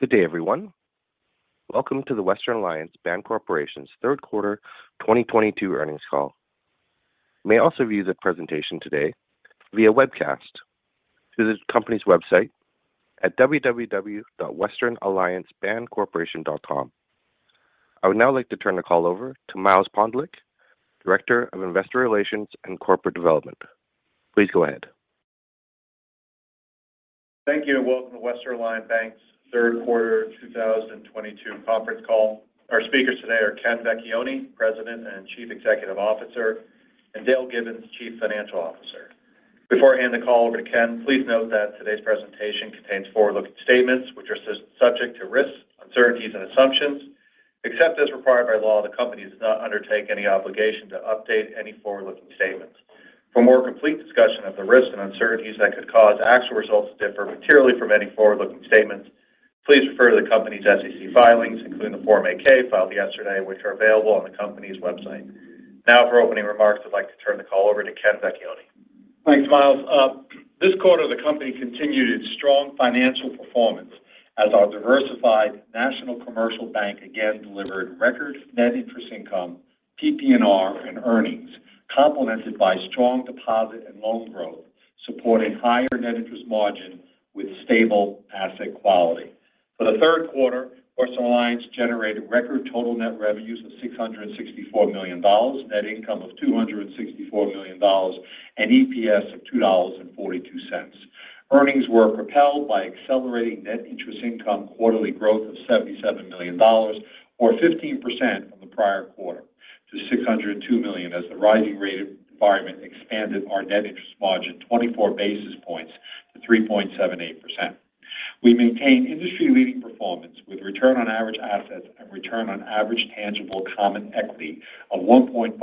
Good day, everyone. Welcome to the Western Alliance Bancorporation's third quarter 2022 earnings call. You may also view the presentation today via webcast through the company's website at www.westernalliancebancorporation.com. I would now like to turn the call over to Miles Pondelik, Director of Investor Relations and Corporate Development. Please go ahead. Thank you, and welcome to Western Alliance Bank's third quarter 2022 conference call. Our speakers today are Ken Vecchione, President and Chief Executive Officer and Dale Gibbons, Chief Financial Officer. Before I hand the call over to Ken, please note that today's presentation contains forward-looking statements which are subject to risks, uncertainties and assumptions. Except as required by law, the company does not undertake any obligation to update any forward-looking statements. For more complete discussion of the risks and uncertainties that could cause actual results to differ materially from any forward-looking statements, please refer to the company's SEC filings, including the Form 8-K filed yesterday, which are available on the company's website. Now for opening remarks, I'd like to turn the call over to Ken Vecchione. Thanks, Miles. This quarter, the company continued its strong financial performance as our diversified national commercial bank again delivered record net interest income, PPNR, and earnings, complemented by strong deposit and loan growth, supporting higher net interest margin with stable asset quality. For the third quarter Western Alliance generated record total net revenues of $664 million, net income of $264 million and EPS of $2.42. Earnings were propelled by accelerating net interest income quarterly growth of $77 million or 15% from the prior quarter to $602 million as the rising rate environment expanded our net interest margin 24 basis points to 3.78%. We maintain industry-leading performance with return on average assets and return on average tangible common equity of 1.53%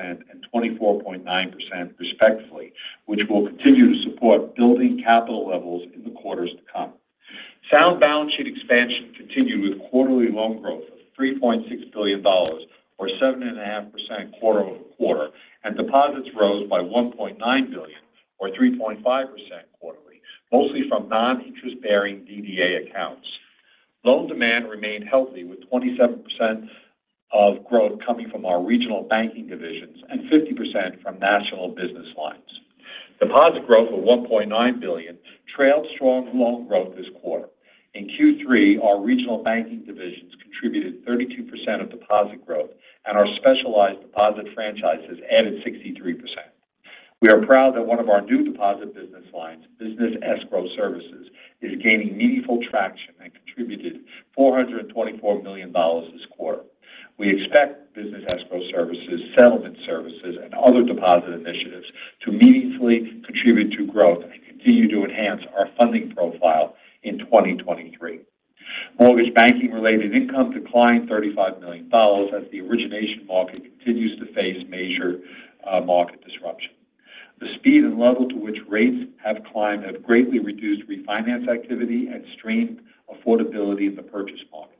and 24.9% respectively, which will continue to support building capital levels in the quarters to come. Sound balance sheet expansion continued with quarterly loan growth of $3.6 billion or 7.5% quarter-over-quarter, and deposits rose by $1.9 billion or 3.5% quarterly, mostly from non-interest-bearing DDA accounts. Loan demand remained healthy with 27% of growth coming from our regional banking divisions and 50% from national business lines. Deposit growth of $1.9 billion trailed strong loan growth this quarter. In Q3, our regional banking divisions contributed 32% of deposit growth and our specialized deposit franchises added 63%. We are proud that one of our new deposit business lines, Business Escrow Services, is gaining meaningful traction and contributed $424 million this quarter. We expect Business Escrow Services, Settlement Services, and other deposit initiatives to meaningfully contribute to growth and continue to enhance our funding profile in 2023. Mortgage banking-related income declined $35 million as the origination market continues to face major market disruption. The speed and level to which rates have climbed have greatly reduced refinance activity and strained affordability in the purchase market.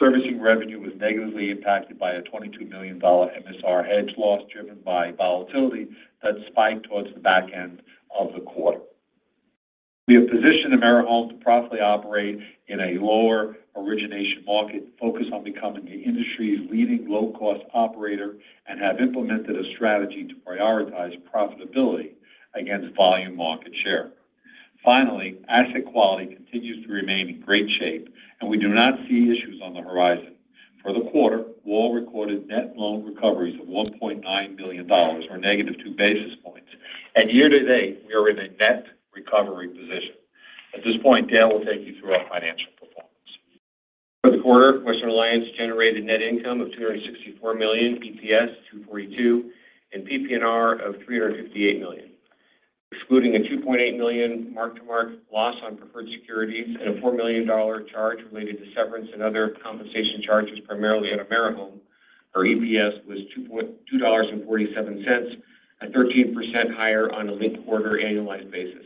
Servicing revenue was negatively impacted by a $22 million MSR hedge loss driven by volatility that spiked towards the back end of the quarter. We have positioned AmeriHome to profitably operate in a lower origination market focused on becoming the industry's leading low-cost operator and have implemented a strategy to prioritize profitability against volume market share. Finally, asset quality continues to remain in great shape, and we do not see issues on the horizon. For the quarter, WAL recorded net loan recoveries of $1.9 million or negative 2 basis points. Year to date, we are in a net recovery position. At this point, Dale will take you through our financial performance. For the quarter Western Alliance generated net income of $264 million, EPS $2.42, and PPNR of $358 million. Excluding a $2.8 million mark-to-market loss on preferred securities and a $4 million charge related to severance and other compensation charges primarily on AmeriHome, our EPS was $2.47 at 13% higher on a linked quarter annualized basis.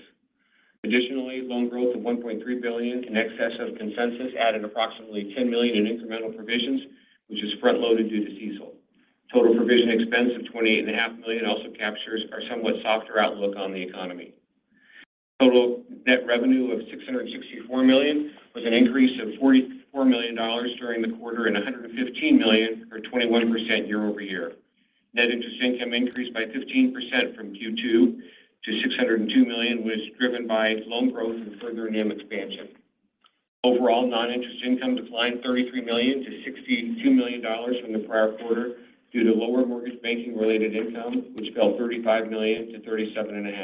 Additionally, loan growth of $1.3 billion in excess of consensus added approximately $10 million in incremental provisions, which is front-loaded due to CECL. Total provision expense of $28.5 million also captures our somewhat softer outlook on the economy. Total net revenue of $664 million was an increase of $44 million during the quarter and $115 million or 21% year-over-year. Net interest income increased by 15% from Q2 to $602 million, was driven by loan growth and further NIM expansion. Overall, non-interest income declined $33 million to $62 million from the prior quarter due to lower mortgage banking-related income which fell $35 million to $37.5 million.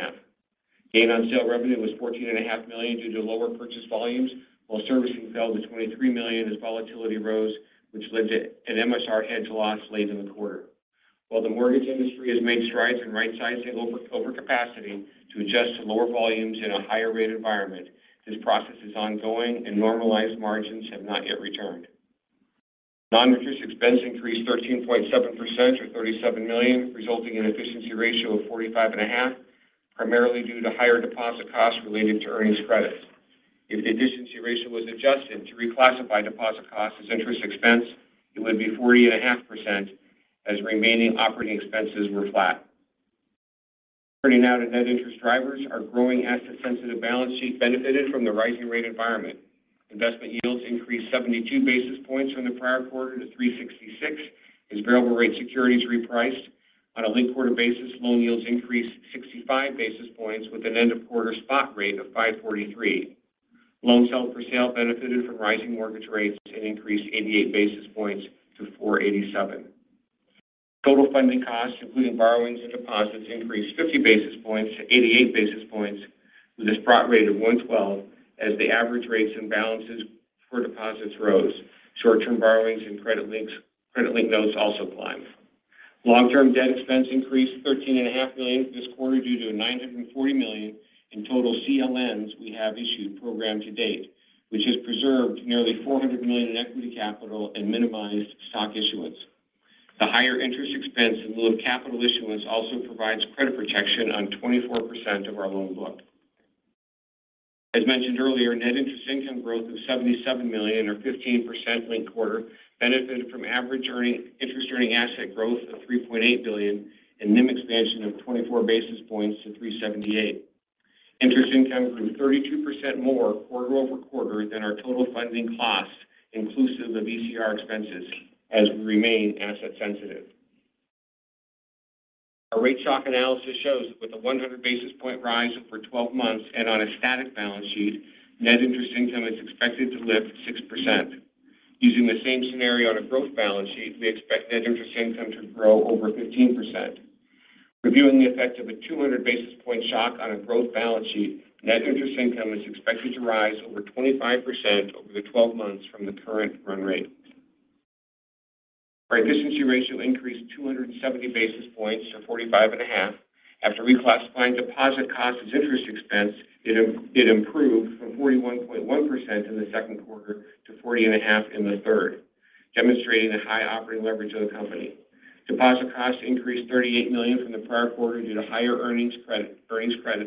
Gain on sale revenue was $14.5 million due to lower purchase volumes, while servicing fell to $23 million as volatility rose, which led to an MSR hedge loss late in the quarter. While the mortgage industry has made strides in rightsizing overcapacity to adjust to lower volumes in a higher rate environment this process is ongoing and normalized margins have not yet returned. Non-interest expense increased 13.7% or $37 million resulting in an efficiency ratio of 45.5, primarily due to higher deposit costs related to earnings credits. If the efficiency ratio was adjusted to reclassify deposit costs as interest expense, it would be 40.5%, as remaining operating expenses were flat. Turning now to net interest drivers, our growing asset-sensitive balance sheet benefited from the rising rate environment. Investment yields increased 72 basis points from the prior quarter to 3.66% as variable rate securities repriced. On a linked quarter basis, loan yields increased 65 basis points with an end of quarter spot rate of 5.43%. Loans held for sale benefited from rising mortgage rates and increased 88 basis points to 4.87%. Total funding costs, including borrowings and deposits, increased 50 basis points to 88 basis points with a spot rate of 1.12% as the average rates and balances for deposits rose. Short-term borrowings and credit-linked notes also climbed. Long-term debt expense increased $13.5 million this quarter due to $940 million in total CLNs we have issued program to date, which has preserved nearly $400 million in equity capital and minimized stock issuance. The higher interest expense in lieu of capital issuance also provides credit protection on 24% of our loan book. As mentioned earlier, net interest income growth of $77 million or 15% linked quarter benefited from average interest earning asset growth of $3.8 billion and NIM expansion of 24 basis points to 3.78%. Interest income grew 32% more quarter-over-quarter than our total funding costs inclusive of ECR expenses as we remain asset sensitive. Our rate shock analysis shows that with a 100 basis point rise over 12 months and on a static balance sheet, net interest income is expected to lift 6%. Using the same scenario on a growth balance sheet, we expect net interest income to grow over 15%. Reviewing the effect of a 200 basis point shock on a growth balance sheet, net interest income is expected to rise over 25% over the 12 months from the current run rate. Our efficiency ratio increased 270 basis points to 45.5%. After reclassifying deposit costs as interest expense, it improved from 41.1% in the second quarter to 40.5% in the third, demonstrating the high operating leverage of the company. Deposit costs increased $38 million from the prior quarter due to higher earnings credit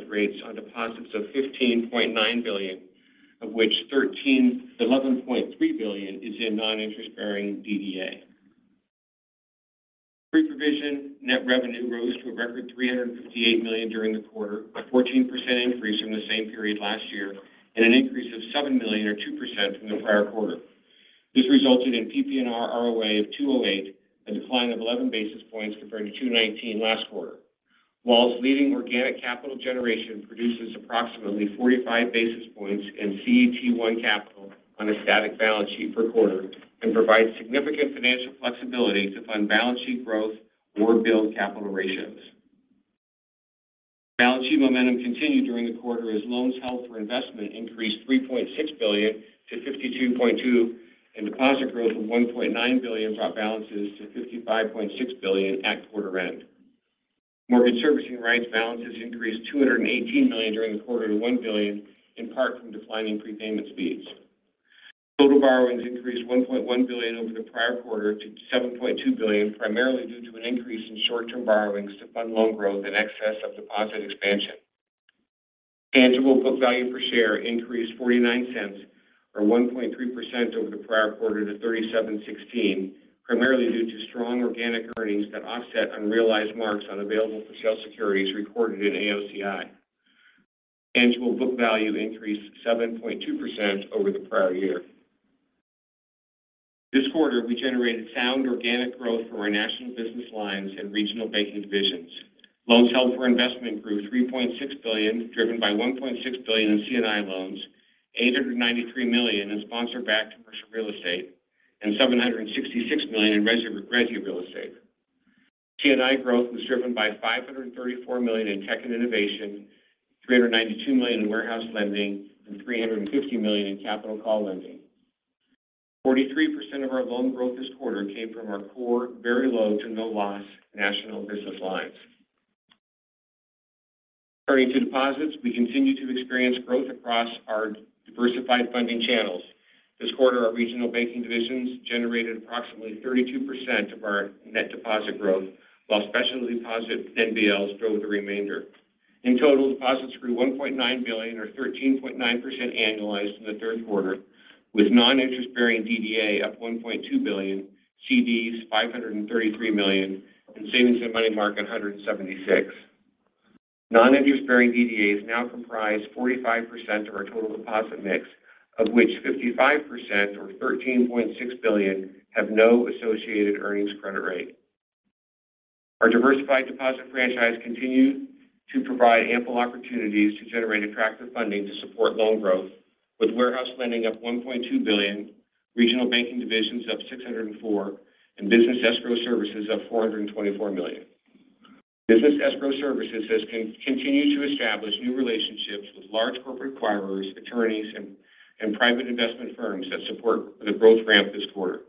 rates on deposits of $15.9 billion of which $11.3 billion is in non-interest bearing DDA. Pre-provision net revenue rose to a record $358 million during the quarter, a 14% increase from the same period last year and an increase of $7 million or 2% from the prior quarter. This resulted in PPNR ROA of 2.08, a decline of 11 basis points compared to 2.19 last quarter. WAL's leading organic capital generation produces approximately 45 basis points in CET1 capital on a static balance sheet per quarter and provides significant financial flexibility to fund balance sheet growth or build capital ratios. Balance sheet momentum continued during the quarter as loans held for investment increased $3.6 billion to $52.2 billion, and deposit growth of $1.9 billion brought balances to $55.6 billion at quarter end. Mortgage servicing rights balances increased $218 million during the quarter to $1 billion, in part from declining prepayment speeds. Total borrowings increased $1.1 billion over the prior quarter to $7.2 billion, primarily due to an increase in short-term borrowings to fund loan growth in excess of deposit expansion. Tangible book value per share increased $0.49 or 1.3% over the prior quarter to $37.16, primarily due to strong organic earnings that offset unrealized marks on available-for-sale securities recorded in AOCI. Tangible book value increased 7.2% over the prior year. This quarter, we generated sound organic growth for our national business lines and regional banking divisions. Loans held for investment grew $3.6 billion, driven by $1.6 billion in C&I loans, $893 million in sponsor-backed commercial real estate, and $766 million in residential real estate. C&I growth was driven by $534 million in tech and innovation, $392 million in warehouse lending, and $350 million in capital call lending. 43% of our loan growth this quarter came from our core very low to no loss national business lines. Turning to deposits, we continue to experience growth across our diversified funding channels. This quarter, our regional banking divisions generated approximately 32% of our net deposit growth while specialty deposit NBLs drove the remainder. In total, deposits grew $1.9 billion or 13.9% annualized in the third quarter, with non-interest bearing DDA up $1.2 billion, CDs $533 million, and savings and money market $176 million. Non-interest bearing DDAs now comprise 45% of our total deposit mix, of which 55% or $13.6 billion have no associated earnings credit rate. Our diversified deposit franchise continued to provide ample opportunities to generate attractive funding to support loan growth with warehouse lending up $1.2 billion, regional banking divisions up $604 million, and Business Escrow Services up $424 million. Business Escrow Services has continued to establish new relationships with large corporate acquirers, attorneys, and private investment firms that support the growth ramp this quarter.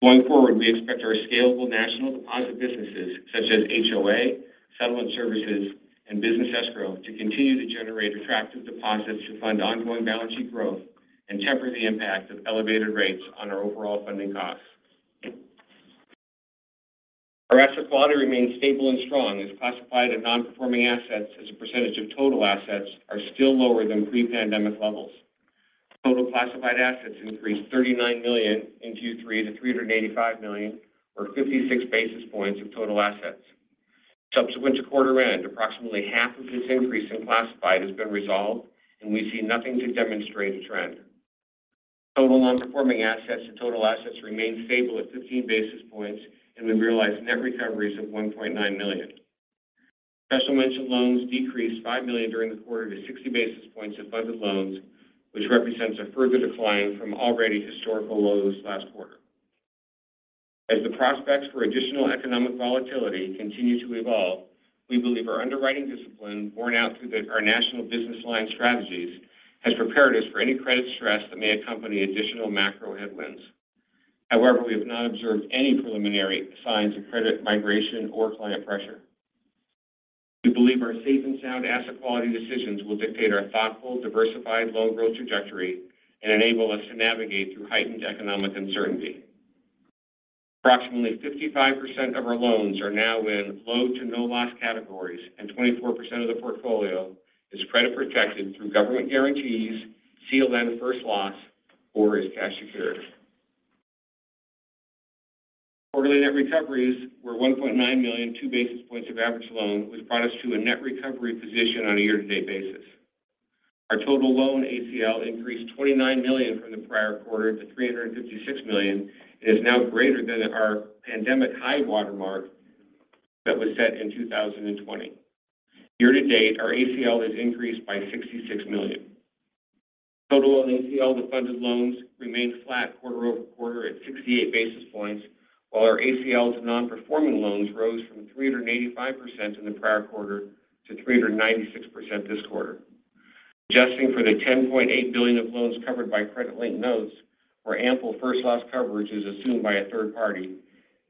Going forward, we expect our scalable national deposit businesses such as HOA, Settlement Services and Business Escrow to continue to generate attractive deposits to fund ongoing balance sheet growth and temper the impact of elevated rates on our overall funding costs. Our asset quality remains stable and strong as classified and non-performing assets as a percentage of total assets are still lower than pre-pandemic levels. Total classified assets increased $39 million in Q3 to $385 million or 56 basis points of total assets. Subsequent to quarter end, approximately half of this increase in classified has been resolved, and we see nothing to demonstrate a trend. Total non-performing assets to total assets remained stable at 15 basis points and the realized net recoveries of $1.9 million. Special mention loans decreased $5 million during the quarter to 60 basis points of funded loans, which represents a further decline from already historical lows last quarter. As the prospects for additional economic volatility continue to evolve, we believe our underwriting discipline borne out through our national business line strategies has prepared us for any credit stress that may accompany additional macro headwinds. However, we have not observed any preliminary signs of credit migration or client pressure. We believe our safe and sound asset quality decisions will dictate our thoughtful, diversified loan growth trajectory and enable us to navigate through heightened economic uncertainty. Approximately 55% of our loans are now in low to no loss categories, and 24% of the portfolio is credit protected through government guarantees, CLN first loss or is cash secured. Quarterly net recoveries were $1.9 million, 2 basis points of average loan, which brought us to a net recovery position on a year-to-date basis. Our total loan ACL increased $29 million from the prior quarter to $356 million and is now greater than our pandemic high watermark that was set in 2020. Year to date, our ACL has increased by $66 million. Total loan ACL to funded loans remained flat quarter over quarter at 68 basis points, while our ACL to non-performing loans rose from 385% in the prior quarter to 396% this quarter. Adjusting for the $10.8 billion of loans covered by credit link notes, where ample first loss coverage is assumed by a third party,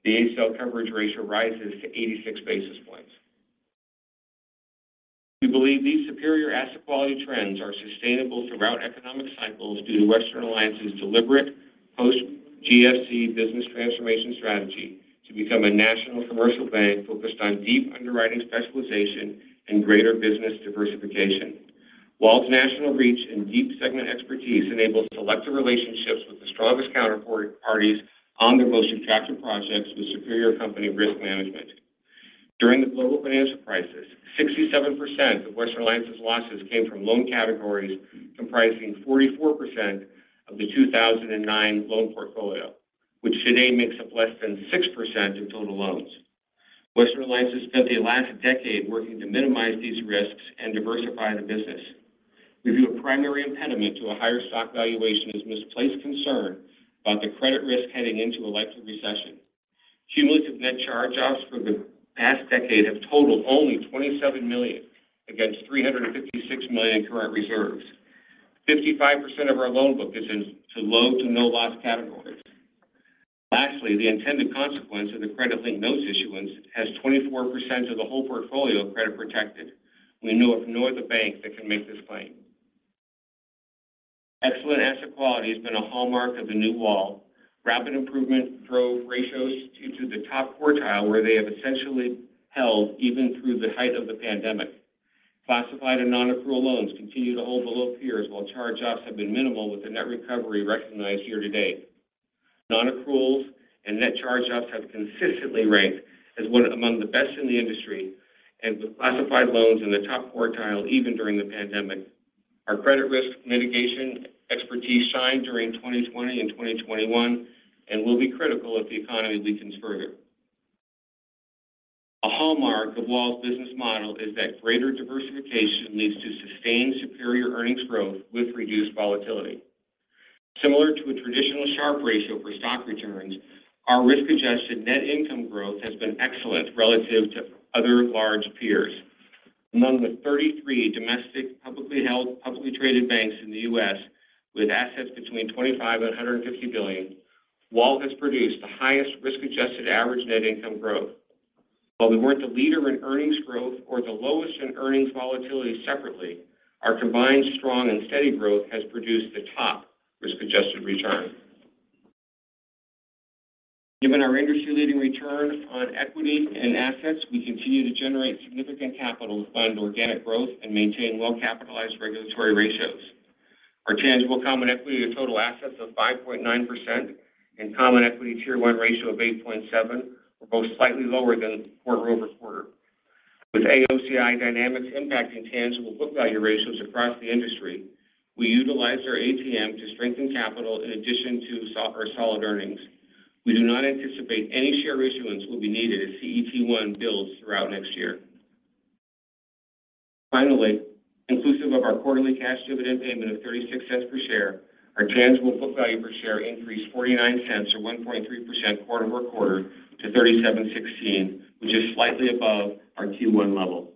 the ACL coverage ratio rises to 86 basis points. We believe these superior asset quality trends are sustainable throughout economic cycles due to Western Alliance's deliberate post-GFC business transformation strategy to become a national commercial bank focused on deep underwriting specialization and greater business diversification. While its national reach and deep segment expertise enable selective relationships with the strongest counterparties on their most attractive projects with superior company risk management. During the global financial crisis, 67% of Western Alliance's losses came from loan categories comprising 44% of the 2009 loan portfolio, which today makes up less than 6% of total loans. Western Alliance has spent the last decade working to minimize these risks and diversify the business. We view a primary impediment to a higher stock valuation as misplaced concern about the credit risk heading into a likely recession. Cumulative net charge-offs for the past decade have totaled only $27 million against $356 million in current reserves. 55% of our loan book is in two low- to no-loss categories. Lastly, the intended consequence of the credit-linked notes issuance has 24% of the whole portfolio credit-protected. We know of no other bank that can make this claim. Excellent asset quality has been a hallmark of the new WAL. Rapid improvement drove ratios to the top quartile where they have essentially held even through the height of the pandemic. Classified and non-accrual loans continue to hold below peers while charge-offs have been minimal with the net recovery recognized year to date. Non-accruals and net charge-offs have consistently ranked as one among the best in the industry and with classified loans in the top quartile even during the pandemic. Our credit risk mitigation expertise shined during 2020 and 2021 and will be critical if the economy weakens further. A hallmark of WAL's business model is that greater diversification leads to sustained superior earnings growth with reduced volatility. Similar to a traditional Sharpe ratio for stock returns, our risk-adjusted net income growth has been excellent relative to other large peers. Among the 33 domestic publicly held, publicly traded banks in the U.S. with assets between $25 billion and $150 billion, WAL has produced the highest risk-adjusted average net income growth. While we weren't the leader in earnings growth or the lowest in earnings volatility separately, our combined strong and steady growth has produced the top risk-adjusted return. Given our industry-leading return on equity and assets, we continue to generate significant capital to fund organic growth and maintain well-capitalized regulatory ratios. Our tangible common equity to total assets of 5.9% and common equity tier 1 ratio of 8.7 were both slightly lower than quarter-over-quarter. With AOCI dynamics impacting tangible book value ratios across the industry, we utilized our ATM to strengthen capital in addition to our solid earnings. We do not anticipate any share issuance will be needed as CET1 builds throughout next year. Finally, inclusive of our quarterly cash dividend payment of $0.36 per share, our tangible book value per share increased $0.49 or 1.3% quarter-over-quarter to $37.16, which is slightly above our Q1 level.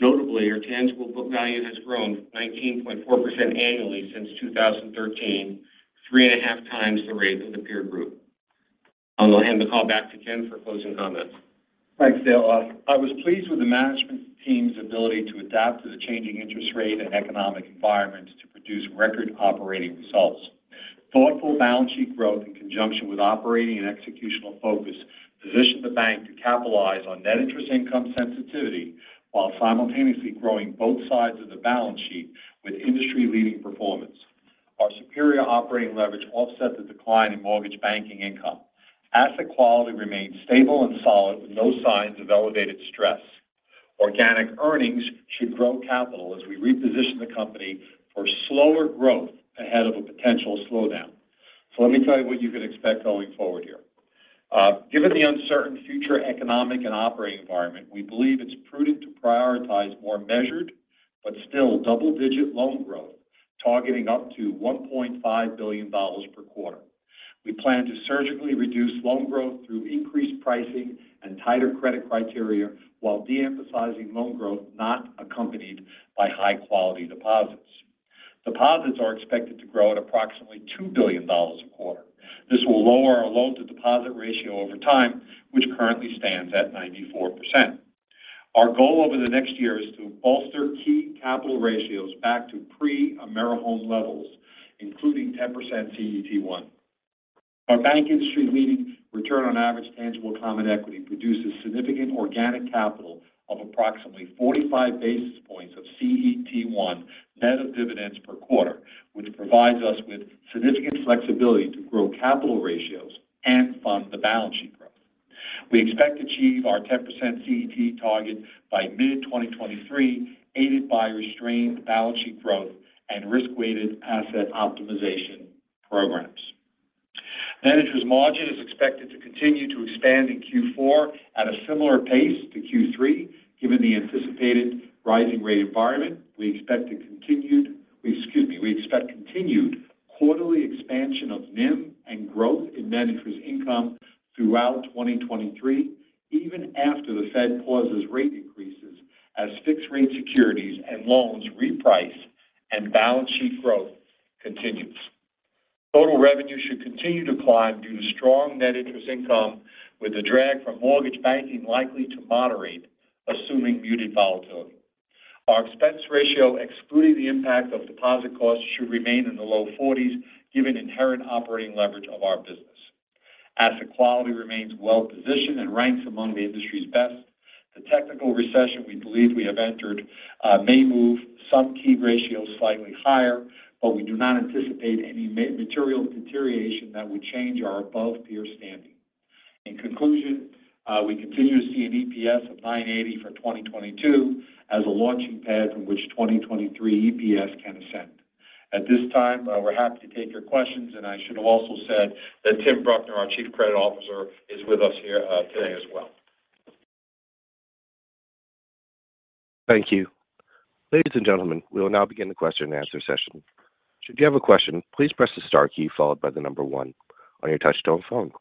Notably, our tangible book value has grown 19.4% annually since 2013, 3.5 times the rate of the peer group. I'll hand the call back to Ken for closing comments. Thanks, Dale. I was pleased with the management team's ability to adapt to the changing interest rate and economic environment to produce record operating results. Thoughtful balance sheet growth in conjunction with operating and executional focus position the bank to capitalize on net interest income sensitivity while simultaneously growing both sides of the balance sheet with industry-leading performance. Our superior operating leverage offsets the decline in mortgage banking income. Asset quality remains stable and solid with no signs of elevated stress. Organic earnings should grow capital as we reposition the company for slower growth ahead of a potential slowdown. Let me tell you what you can expect going forward here. Given the uncertain future economic and operating environment, we believe it's prudent to prioritize more measured but still double-digit loan growth targeting up to $1.5 billion per quarter. We plan to surgically reduce loan growth through increased pricing and tighter credit criteria while de-emphasizing loan growth not accompanied by high-quality deposits. Deposits are expected to grow at approximately $2 billion a quarter. This will lower our loan-to-deposit ratio over time, which currently stands at 94%. Our goal over the next year is to bolster key capital ratios back to pre-AmeriHome levels, including 10% CET1. Our bank industry-leading return on average tangible common equity produces significant organic capital of approximately 45 basis points of CET1 net of dividends per quarter, which provides us with significant flexibility to grow capital ratios and fund the balance sheet growth. We expect to achieve our 10% CET1 target by mid-2023, aided by restrained balance sheet growth and risk-weighted asset optimization programs. Net interest margin is expected to continue to expand in Q4 at a similar pace to Q3, given the anticipated rising rate environment. Excuse me. We expect continued quarterly expansion of NIM and growth in net interest income throughout 2023, even after the Fed pauses rate increases as fixed rate securities and loans reprice and balance sheet growth continues. Total revenue should continue to climb due to strong net interest income, with the drag from mortgage banking likely to moderate, assuming muted volatility. Our expense ratio, excluding the impact of deposit costs, should remain in the low forties, given inherent operating leverage of our business. Asset quality remains well-positioned and ranks among the industry's best. The technical recession we believe we have entered may move some key ratios slightly higher, but we do not anticipate any material deterioration that would change our above-peer standing. In conclusion, we continue to see an EPS of $9.80 for 2022 as a launching pad from which 2023 EPS can ascend. At this time we're happy to take your questions, and I should have also said that Tim Bruckner, our Chief Banking Officer, is with us here today as well. Thank you. Ladies and gentlemen, we will now begin the question-and-answer session. Should you have a question, please press the star key followed by the number one on your touchtone phone.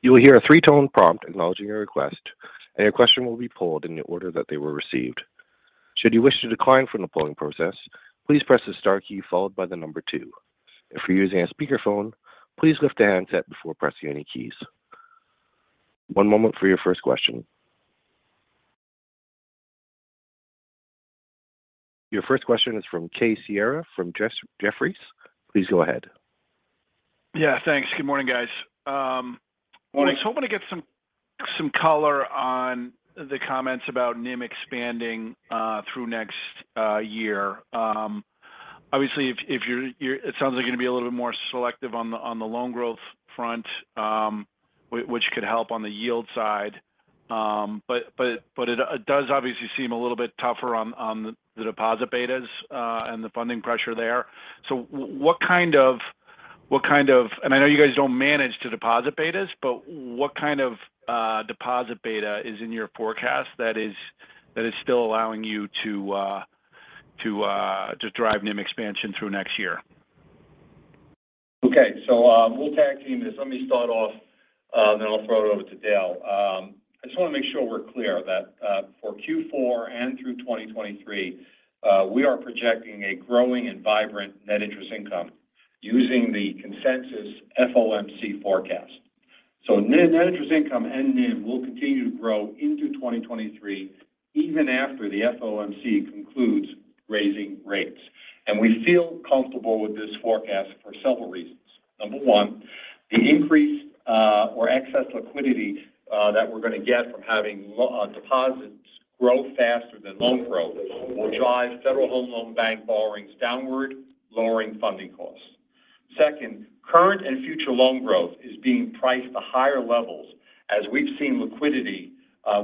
You will hear a three-tone prompt acknowledging your request and your question will be pulled in the order that they were received. Should you wish to decline from the polling process, please press the star key followed by the number two. If you're using a speakerphone, please lift the handset before pressing any keys. One moment for your first question. Your first question is from Casey Haire from Jefferies. Please go ahead. Yeah, thanks. Good morning, guys. Was hoping to get some color on the comments about NIM expanding through next year. Obviously, it sounds like you're gonna be a little bit more selective on the loan growth front, which could help on the yield side. It does obviously seem a little bit tougher on the deposit betas and the funding pressure there. I know you guys don't manage to deposit betas, but what kind of deposit beta is in your forecast that is still allowing you to drive NIM expansion through next year? Okay. We'll tag-team this. Let me start off, then I'll throw it over to Dale. I just wanna make sure we're clear that, for Q4 and through 2023, we are projecting a growing and vibrant net interest income using the consensus FOMC forecast. Net interest income and NIM will continue to grow into 2023 even after the FOMC concludes raising rates. We feel comfortable with this forecast for several reasons. Number one, the increase or excess liquidity that we're gonna get from having deposits grow faster than loan growth will drive Federal Home Loan Bank borrowings downward, lowering funding costs. Second, current and future loan growth is being priced to higher levels as we've seen liquidity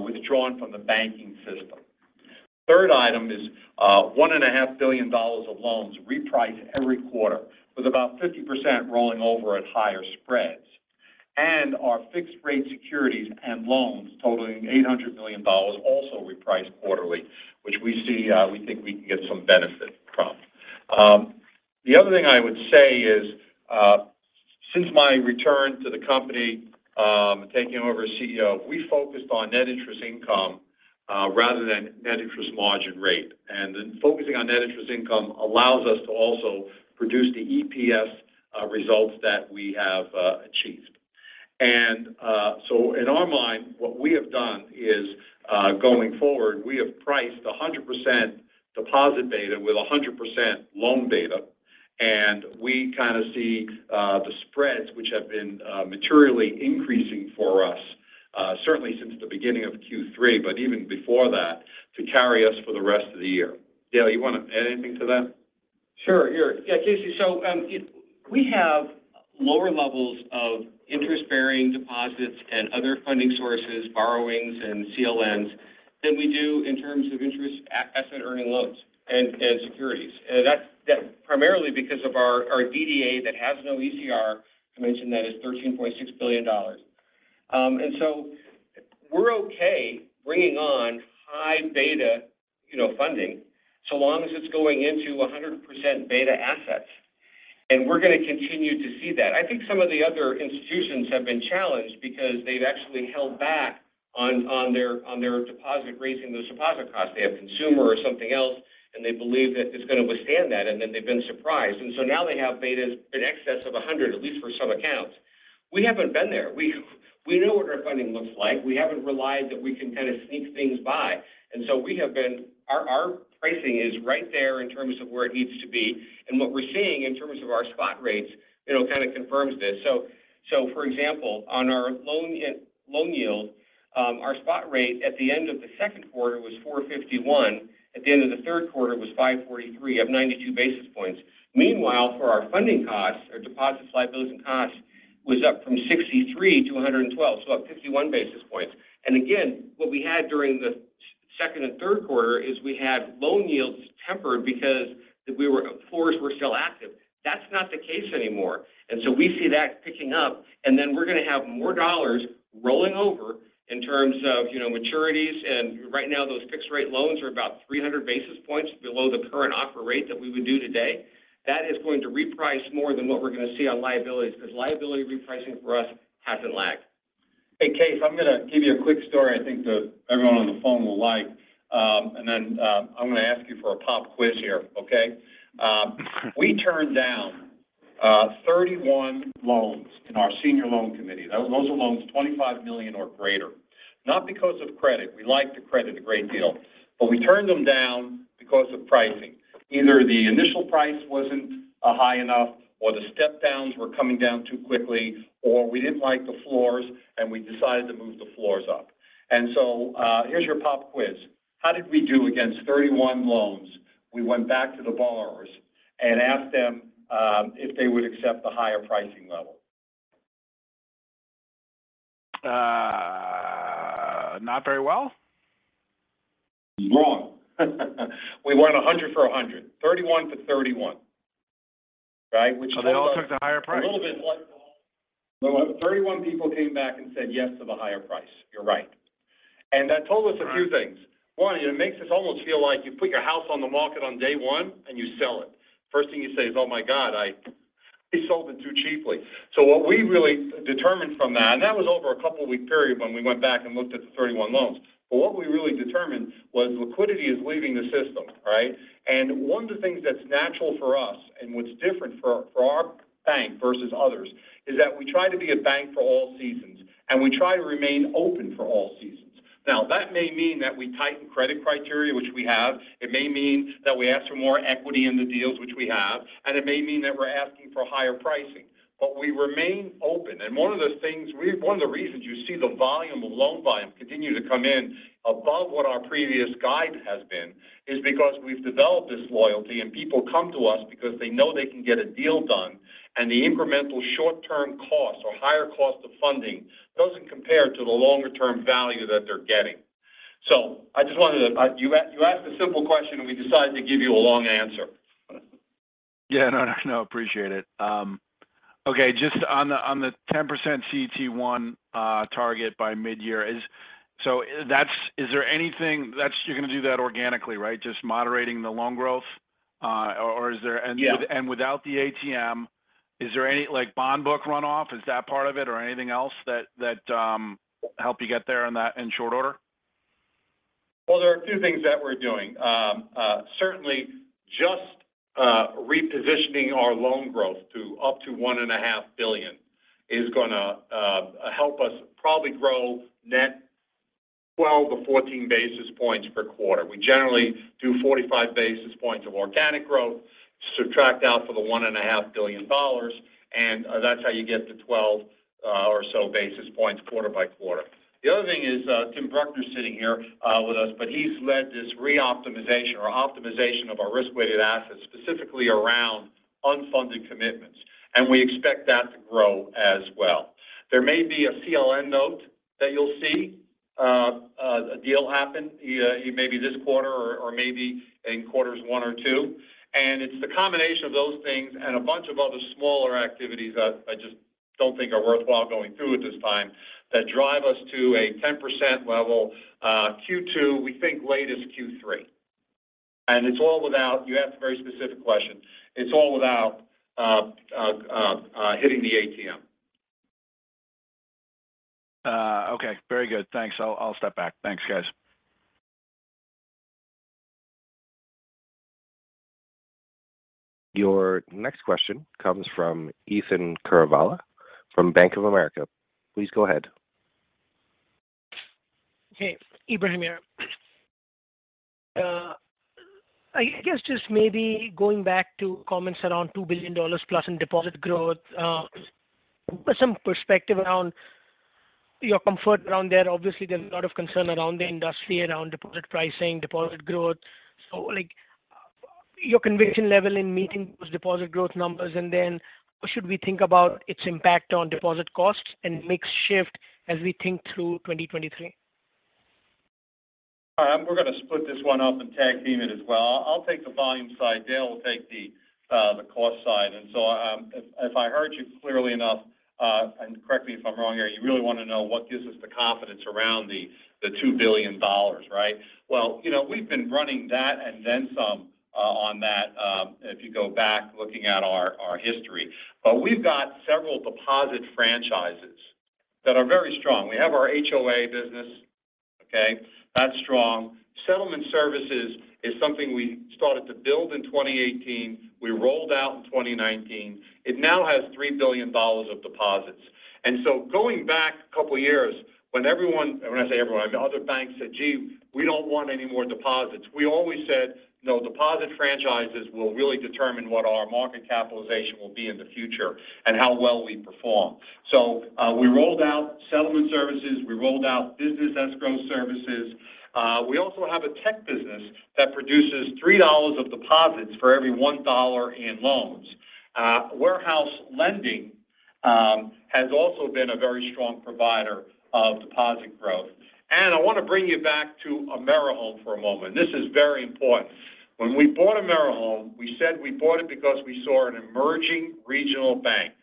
withdrawn from the banking system. Third item is, $1.5 billion of loans reprice every quarter, with about 50% rolling over at higher spreads. Our fixed rate securities and loans totaling $800 million also reprice quarterly, which we see, we think we can get some benefit from. The other thing I would say is, since my return to the company, taking over as CEO, we focused on net interest income, rather than net interest margin rate. Then focusing on net interest income allows us to also produce the EPS results that we have. In our mind, what we have done is, going forward, we have priced 100% deposit beta with 100% loan beta. We kind of see the spreads which have been materially increasing for us certainly since the beginning of Q3, but even before that, to carry us for the rest of the year. Dale you wanna add anything to that? Sure. Yeah, Casey. We have lower levels of interest-bearing deposits and other funding sources, borrowings, and CLNs than we do in terms of interest-earning loans and securities. That's primarily because of our DDA that has no ECR. I mentioned that is $13.6 billion. We're okay bringing on high beta, you know, funding, so long as it's going into 100% beta assets, and we're gonna continue to see that. I think some of the other institutions have been challenged because they've actually held back on raising their deposit costs. They have consumer or something else and they believe that it's gonna withstand that and then they've been surprised. Now they have betas in excess of 100, at least for some accounts. We haven't been there. We know what our funding looks like. We haven't relied that we can kind of sneak things by. Our pricing is right there in terms of where it needs to be. What we're seeing in terms of our spot rates, you know, kind of confirms this. For example, on our loan yield, our spot rate at the end of the second quarter was 451. At the end of the third quarter, it was 543, up 92 basis points. Meanwhile, for our funding costs, our deposit liabilities and costs was up from 63 to 112, so up 51 basis points. What we had during the second and third quarter is we had loan yields tempered because floors were still active. That's not the case anymore. We see that picking up, and then we're gonna have more dollars rolling over in terms of, you know, maturities. Right now, those fixed rate loans are about 300 basis points below the current offer rate that we would do today. That is going to reprice more than what we're gonna see on liabilities because liability repricing for us hasn't lagged. Hey, Case I'm gonna give you a quick story I think everyone on the phone will like, and then, I'm gonna ask you for a pop quiz here, okay? We turned down 31 loans in our senior loan committee. Those are loans $25 million or greater, not because of credit. We like the credit a great deal, but we turned them down because of pricing. Either the initial price wasn't high enough, or the step downs were coming down too quickly, or we didn't like the floors, and we decided to move the floors up. Here's your pop quiz. How did we do against 31 loans? We went back to the borrowers and asked them if they would accept the higher pricing level. Not very well? Wrong. We went 100 for 100, 31 to 31, right? Which told us. They all took the higher price? Well, 31 people came back and said yes to the higher price. You're right. That told us a few things. All right. One, it makes us almost feel like you put your house on the market on day one, and you sell it. First thing you say is, "Oh my God, I sold it too cheaply." What we really determined from that and that was over a couple week period when we went back and looked at the 31 loans. What we really determined was liquidity is leaving the system, right? And one of the things that's natural for us and what's different for our bank versus others is that we try to be a bank for all seasons, and we try to remain open for all seasons. Now that may mean that we tighten credit criteria, which we have. It may mean that we ask for more equity in the deals, which we have. It may mean that we're asking for higher pricing, but we remain open. One of the reasons you see the volume of loan volume continue to come in above what our previous guide has been is because we've developed this loyalty, and people come to us because they know they can get a deal done and the incremental short-term costs or higher cost of funding doesn't compare to the longer term value that they're getting. I just wanted to - you asked a simple question, and we decided to give you a long answer. Yeah. No, no, appreciate it. Okay, just on the 10% CET1 target by midyear. You're gonna do that organically, right? Just moderating the loan growth. Or is there- Yeah. With and without the ATM, is there any, like, bond book runoff? Is that part of it or anything else that help you get there in short order? Well, there are a few things that we're doing. Certainly just repositioning our loan growth to up to $1.5 billion is gonna help us probably grow net 12-14 basis points per quarter. We generally do 45 basis points of organic growth, subtract out for the $1.5 billion, and that's how you get to 12 or so basis points quarter by quarter. The other thing is Tim Bruckner is sitting here with us, but he's led this re-optimization or optimization of our risk-weighted assets, specifically around unfunded commitments, and we expect that to grow as well. There may be a CLN note that you'll see a deal happen maybe this quarter or maybe in quarters one or two. It's the combination of those things and a bunch of other smaller activities that I just don't think are worthwhile going through at this time that drive us to a 10% level, Q2 we think at least Q3. You asked a very specific question. It's all without hitting the ATM. Okay. Very good. Thanks. I'll step back. Thanks, guys. Your next question comes from Ebrahim Poonawala from Bank of America. Please go ahead. Hey, Ebrahim here. I guess just maybe going back to comments around $2 billion plus in deposit growth, some perspective around your comfort around there. Obviously, there's a lot of concern around the industry, around deposit pricing, deposit growth. Like, your conviction level in meeting those deposit growth numbers, and then what should we think about its impact on deposit costs and mix shift as we think through 2023? All right, we're going to split this one up and tag-team it as well. I'll take the volume side. Dale will take the cost side. If I heard you clearly enough and correct me if I'm wrong here, you really want to know what gives us the confidence around the $2 billion right? Well, you know we've been running that and then some on that if you go back looking at our history. But we've got several deposit franchises that are very strong. We have our HOA business, okay? That's strong. Settlement Services is something we started to build in 2018. We rolled out in 2019. It now has $3 billion of deposits. Going back a couple of years when everyone, when I say everyone, I mean other banks said, "Gee, we don't want any more deposits." We always said, "No deposit franchises will really determine what our market capitalization will be in the future and how well we perform." We rolled out Settlement Services. We rolled out Business Escrow Services. We also have a tech business that produces $3 of deposits for every $1 in loans. Warehouse lending has also been a very strong provider of deposit growth. I want to bring you back to AmeriHome for a moment. This is very important. When we bought AmeriHome, we said we bought it because we saw an emerging regional bank.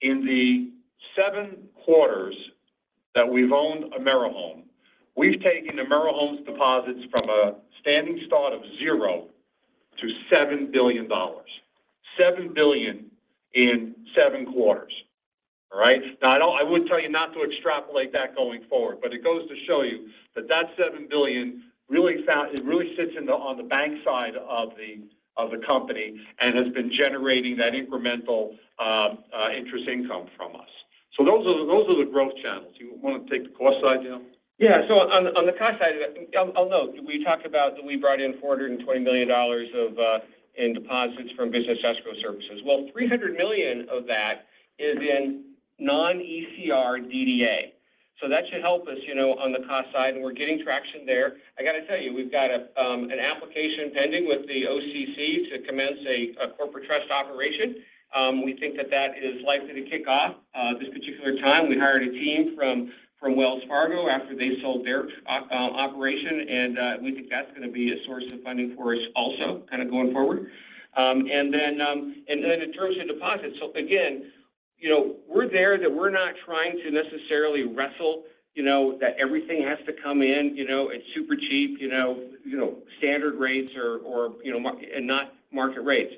In the seven quarters that we've owned AmeriHome, we've taken AmeriHome's deposits from a standing start of 0 to $7 billion, $7 billion in seven quarters. All right? Now, I would tell you not to extrapolate that going forward, but it goes to show you that that $7 billion really sits on the bank side of the company and has been generating that incremental interest income from us. So those are the growth channels. You want to take the cost side, Dale? Yeah. On the cost side, I'll note, we talked about that we brought in $420 million in deposits from Business Escrow Services. Well, $300 million of that is in non-ECR DDA. That should help us, you know, on the cost side, and we're getting traction there. I got to tell you we've got an application pending with the OCC to commence a corporate trust operation. We think that is likely to kick off this particular time. We hired a team from Wells Fargo after they sold their operation, and we think that's going to be a source of funding for us also kind of going forward. In terms of deposits. Again, you know, we're aware that we're not trying to necessarily wrestle, you know, that everything has to come in, you know, at super cheap standard rates or market rates.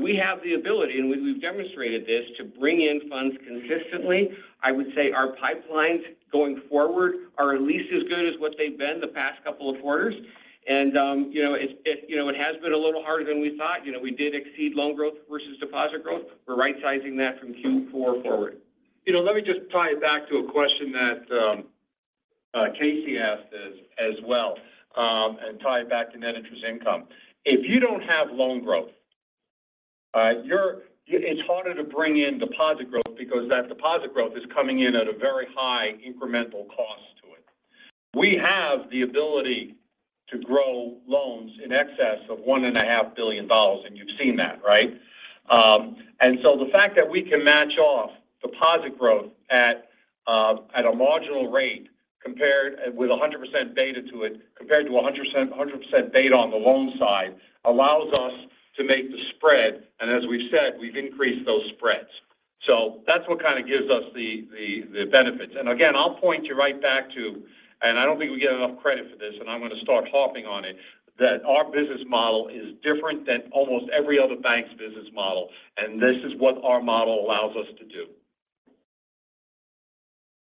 We have the ability, and we've demonstrated this to bring in funds consistently. I would say our pipelines going forward are at least as good as what they've been the past couple of quarters. You know, it has been a little harder than we thought. You know, we did exceed loan growth versus deposit growth. We're right-sizing that from Q4 forward. You know, let me just tie it back to a question that Casey asked as well, and tie it back to net interest income. If you don't have loan growth, it's harder to bring in deposit growth because that deposit growth is coming in at a very high incremental cost to it. We have the ability to grow loans in excess of $1.5 billion, and you've seen that, right? The fact that we can match off deposit growth at a marginal rate compared with a 100% beta to it compared to a 100% beta on the loan side allows us to make the spread. As we've said, we've increased those spreads. That's what kind of gives us the benefits. Again, I'll point you right back to, and I don't think we get enough credit for this, and I'm going to start harping on it, that our business model is different than almost every other bank's business model, and this is what our model allows us to do.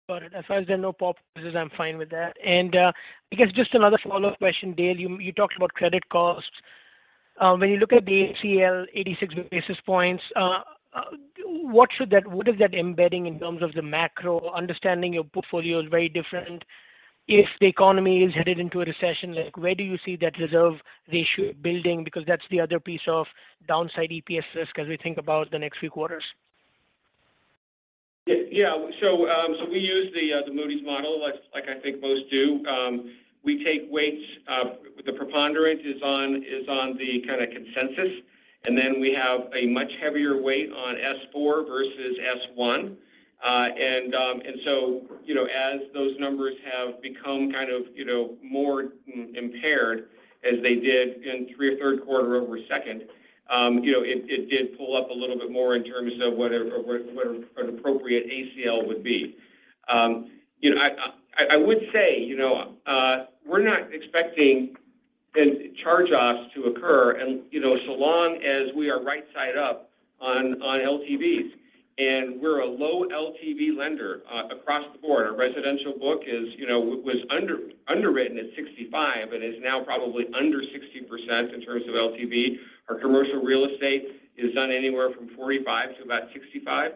Got it. As long as there are no pop quizzes, I'm fine with that. I guess just another follow-up question, Dale. You talked about credit costs. When you look at the ACL 86 basis points, what is that embedding in terms of the macro? Understanding your portfolio is very different. If the economy is headed into a recession, like where do you see that reserve ratio building? Because that's the other piece of downside EPS risk as we think about the next few quarters. Yeah. We use the Moody's model like I think most do. We take weights. The preponderance is on the kind of consensus, and then we have a much heavier weight on S-4 versus S-1. And so, you know, as those numbers have become kind of, you know, more impaired as they did in three or third quarter over second, you know, it did pull up a little bit more in terms of what an appropriate ACL would be. I would say, you know, we're not expecting charge-offs to occur and, you know, so long as we are right side up on LTVs. We're a low LTV lender across the board. Our residential book is, you know, was underwritten at 65% and is now probably under 60% in terms of LTV. Our commercial real estate is done anywhere from 45% to about 65%.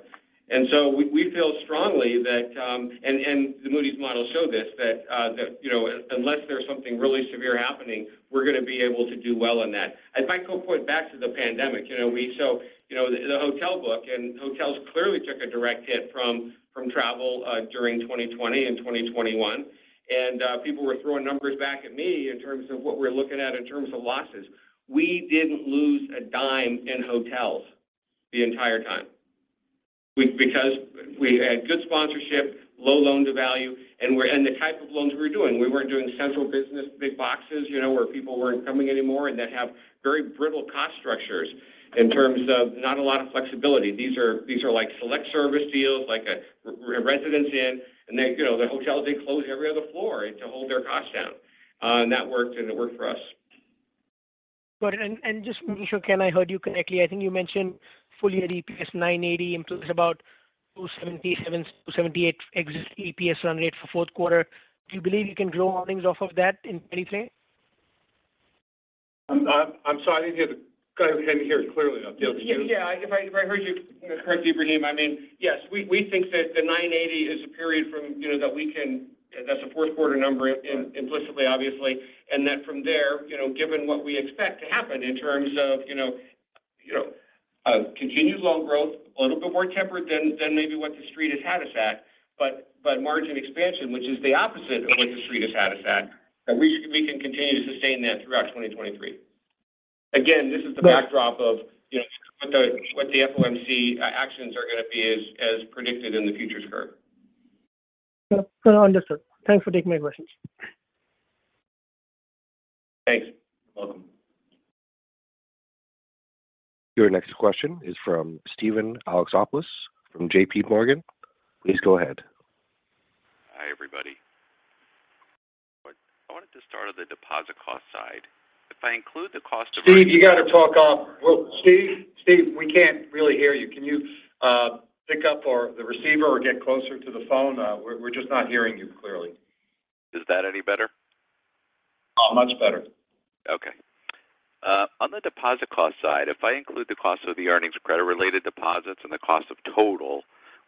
We feel strongly that, and the Moody's model showed this, that, you know, unless there's something really severe happening, we're gonna be able to do well on that. I'd like to point back to the pandemic. You know, so, you know, the hotel book and hotels clearly took a direct hit from travel during 2020 and 2021. People were throwing numbers back at me in terms of what we're looking at in terms of losses. We didn't lose a dime in hotels the entire time because we had good sponsorship, low loan-to-value, and the type of loans we were doing. We weren't doing central business big boxes, you know, where people weren't coming anymore, and that have very brittle cost structures in terms of not a lot of flexibility. These are like select service deals like a Residence Inn. They, you know, the hotels, they close every other floor to hold their costs down. That worked and it worked for us. Got it. Just making sure Ken, I heard you correctly. I think you mentioned full-year EPS $9.80 improves about $2.77-$2.78 exit EPS run rate for fourth quarter. Do you believe you can grow earnings off of that in any way? I'm sorry. I didn't hear it clearly. If I heard you correctly, Ebrahim, I mean, yes. We think that the $9.80 is a period from, you know, that we can. That's a fourth quarter number implicitly, obviously. From there, you know, given what we expect to happen in terms of, you know, continued loan growth, a little bit more tempered than maybe what the street has had us at, but margin expansion, which is the opposite of what the street has had us at. That we can continue to sustain that throughout 2023. Again, this is the backdrop of, you know, what the FOMC actions are going to be as predicted in the futures curve. Understood. Thanks for taking my questions. Thanks. Welcome. Your next question is from Steven Alexopoulos from JPMorgan. Please go ahead. Hi, everybody. I wanted to start on the deposit cost side. If I include the cost of - Steve, you got to talk up. Steve, we can't really hear you. Can you pick up the receiver or get closer to the phone? We're just not hearing you clearly. Is that any better? Much better. Okay. On the deposit cost side, if I include the cost of the earnings of credit-related deposits and the cost of total,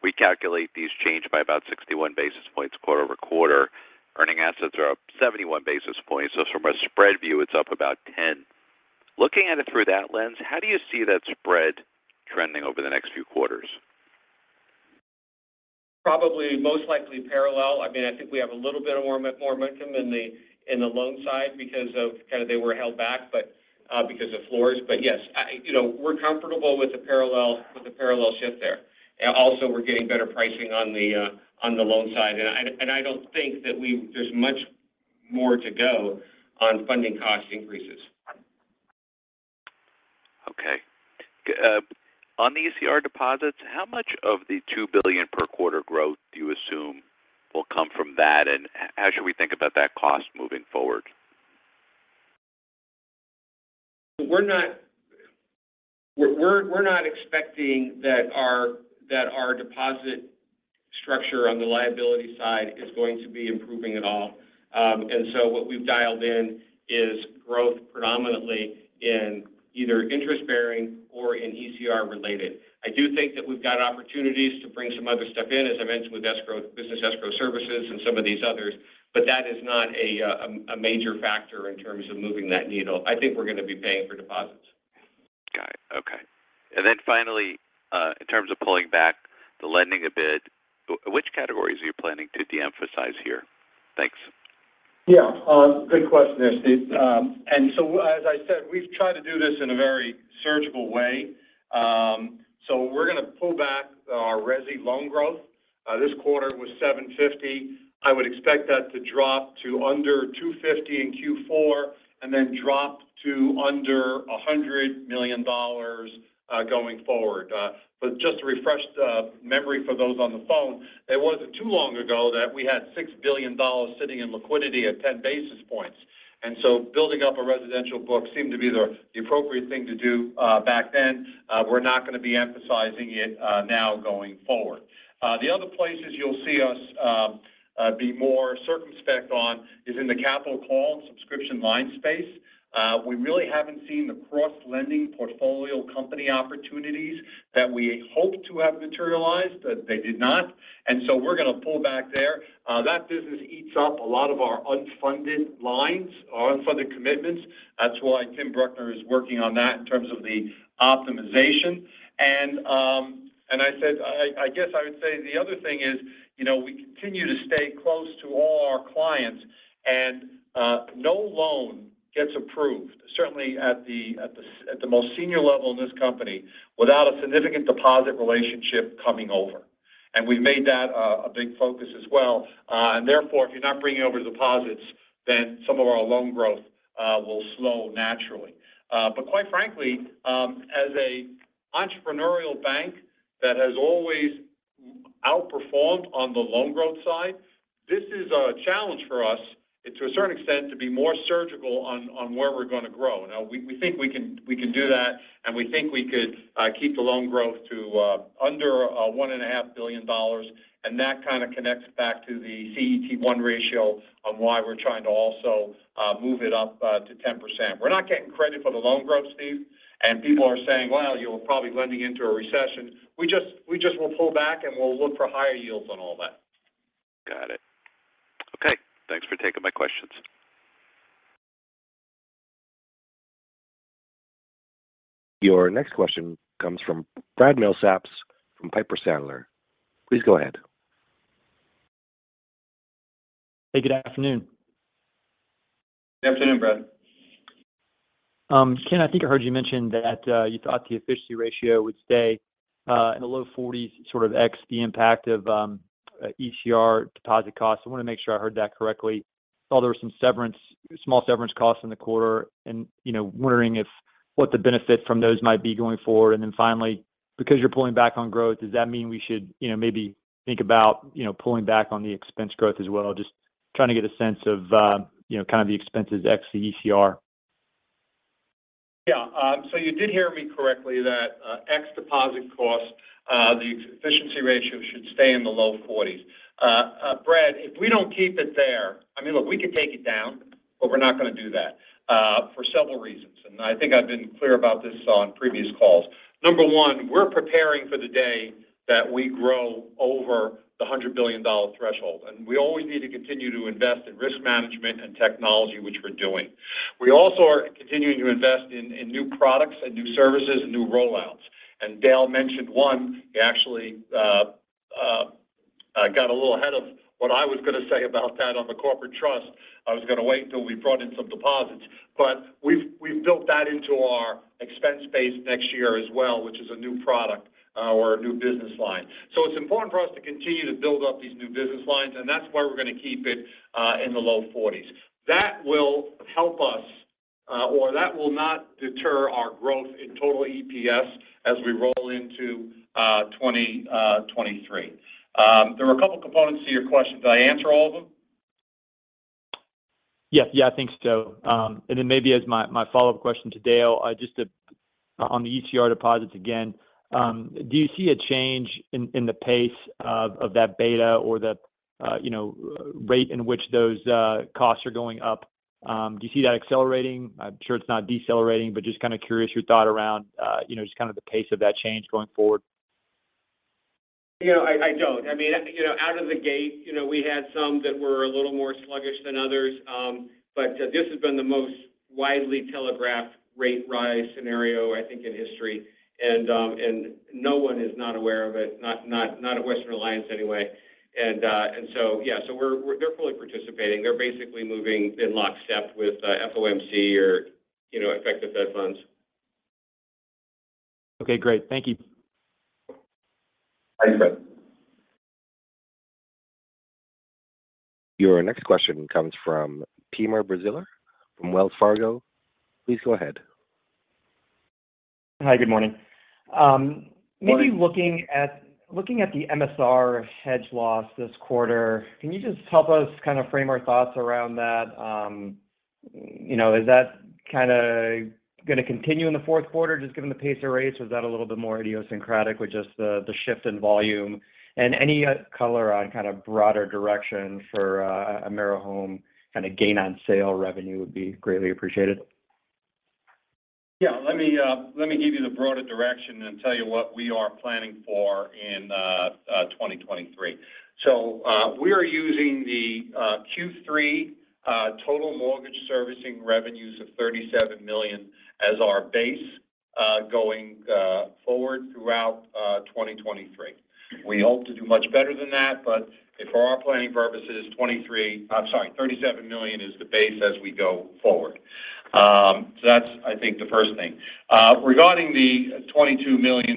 we calculate these change by about 61 basis points quarter-over-quarter. Earning assets are up 71 basis points. From a spread view, it's up about 10. Looking at it through that lens, how do you see that spread trending over the next few quarters? Probably most likely parallel. I mean I think we have a little bit more momentum in the loan side because kind of they were held back, but because of floors. Yes, you know, we're comfortable with the parallel shift there. Also, we're getting better pricing on the loan side. I don't think that there's much more to go on funding cost increases. Okay. On the ECR deposits, how much of the $2 billion per quarter growth do you assume will come from that? How should we think about that cost moving forward? We're not expecting that our deposit structure on the liability side is going to be improving at all. What we've dialed in is growth predominantly in either interest-bearing or in ECR-related. I do think that we've got opportunities to bring some other stuff in, as I mentioned, with escrow, Business Escrow Services and some of these others but that is not a major factor in terms of moving that needle. I think we're going to be paying for deposits. Got it. Okay. Finally, in terms of pulling back the lending a bit, which categories are you planning to de-emphasize here? Thanks. Yeah. Good question there, Steve. As I said, we've tried to do this in a very surgical way. We're going to pull back our resi loan growth. This quarter was $750 million. I would expect that to drop to under $250 million in Q4 and then drop to under $100 million going forward. But just to refresh the memory for those on the phone, it wasn't too long ago that we had $6 billion sitting in liquidity at 10 basis points. Building up a residential book seemed to be the appropriate thing to do back then. We're not going to be emphasizing it now going forward. The other places you'll see us be more circumspect on is in the capital call and subscription line space. We really haven't seen the cross-lending portfolio company opportunities that we hoped to have materialized. They did not. We're going to pull back there. That business eats up a lot of our unfunded lines or unfunded commitments. That's why Tim Bruckner is working on that in terms of the optimization. The other thing is, you know, we continue to stay close to all our clients. No loan gets approved, certainly at the most senior level in this company without a significant deposit relationship coming over. We've made that a big focus as well. If you're not bringing over deposits, then some of our loan growth will slow naturally. Quite frankly, as an entrepreneurial bank that has always performed on the loan growth side, this is a challenge for us and to a certain extent, to be more surgical on where we're going to grow. Now we think we can do that and we think we could keep the loan growth to under $1.5 billion. That kind of connects back to the CET1 ratio on why we're trying to also move it up to 10%. We're not getting credit for the loan growth, Steve. People are saying, "Well, you're probably lending into a recession." We just will pull back, and we'll look for higher yields on all that. Got it. Okay. Thanks for taking my questions. Your next question comes from Bradley Milsaps from Piper Sandler. Please go ahead. Hey, good afternoon. Good afternoon, Brad. Ken, I think I heard you mention that you thought the efficiency ratio would stay in the low 40s, sort of ex the impact of ECR deposit costs. I wanted to make sure I heard that correctly. Saw there were some small severance costs in the quarter and, you know, wondering what the benefit from those might be going forward. Finally, because you're pulling back on growth, does that mean we should, you know, maybe think about, you know, pulling back on the expense growth as well? Just trying to get a sense of kind of the expenses ex the ECR. Yeah. So you did hear me correctly that ex deposit cost the efficiency ratio should stay in the low 40s. Brad, if we don't keep it there. I mean, look, we could take it down, but we're not gonna do that for several reasons. I think I've been clear about this on previous calls. Number one, we're preparing for the day that we grow over the $100 billion threshold. We always need to continue to invest in risk management and technology, which we're doing. We also are continuing to invest in new products and new services and new rollouts. Dale mentioned one. He actually got a little ahead of what I was gonna say about that on the corporate trust. I was gonna wait until we brought in some deposits. We've built that into our expense base next year as well, which is a new product or a new business line. It's important for us to continue to build up these new business lines, and that's why we're going to keep it in the low forties. That will help us, or that will not deter our growth in total EPS as we roll into 2023. There were a couple components to your question. Did I answer all of them? Yes. Yeah, I think so. And then maybe as my follow-up question to Dale, just to on the ECR deposits again, do you see a change in the pace of that beta or the, you know, rate in which those costs are going up? Do you see that accelerating? I'm sure it's not decelerating, but just kind of curious your thought around, you know just kind of the pace of that change going forward. You know, I don't. I mean, you know, out of the gate, you know, we had some that were a little more sluggish than others. This has been the most widely telegraphed rate rise scenario, I think in history. No one is not aware of it, not at Western Alliance anyway. Yeah, so they're fully participating. They're basically moving in lockstep with FOMC or, you know, effective Fed funds. Okay, great. Thank you. Thank you, Brad. Your next question comes from Timur Braziler from Wells Fargo. Please go ahead. Hi, good morning. Morning. Maybe looking at the MSR hedge loss this quarter, can you just help us kind of frame our thoughts around that? You know, is that kinda gonna continue in the fourth quarter, just given the pace of rates? Or is that a little bit more idiosyncratic with just the shift in volume? Any color on kind of broader direction for AmeriHome kind of gain on sale revenue would be greatly appreciated. Yeah. Let me give you the broader direction and tell you what we are planning for in 2023. We are using the Q3 total mortgage servicing revenues of $37 million as our base, going forward throughout 2023. We hope to do much better than that, but for our planning purposes, $37 million is the base as we go forward. That's I think the first thing. Regarding the $22 million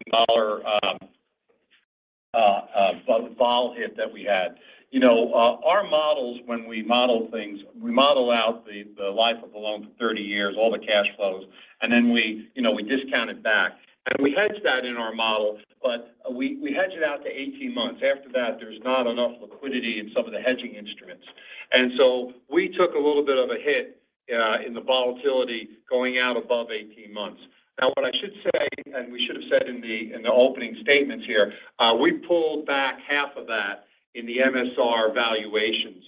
vol hit that we had. You know, our models when we model things, we model out the life of the loan for 30 years, all the cash flows, and then we - you know, we discount it back. We hedge that in our model, but we hedge it out to 18 months. After that, there's not enough liquidity in some of the hedging instruments. We took a little bit of a hit in the volatility going out above 18 months. Now, what I should say, we should have said in the opening statements here, we pulled back half of that in the MSR valuations.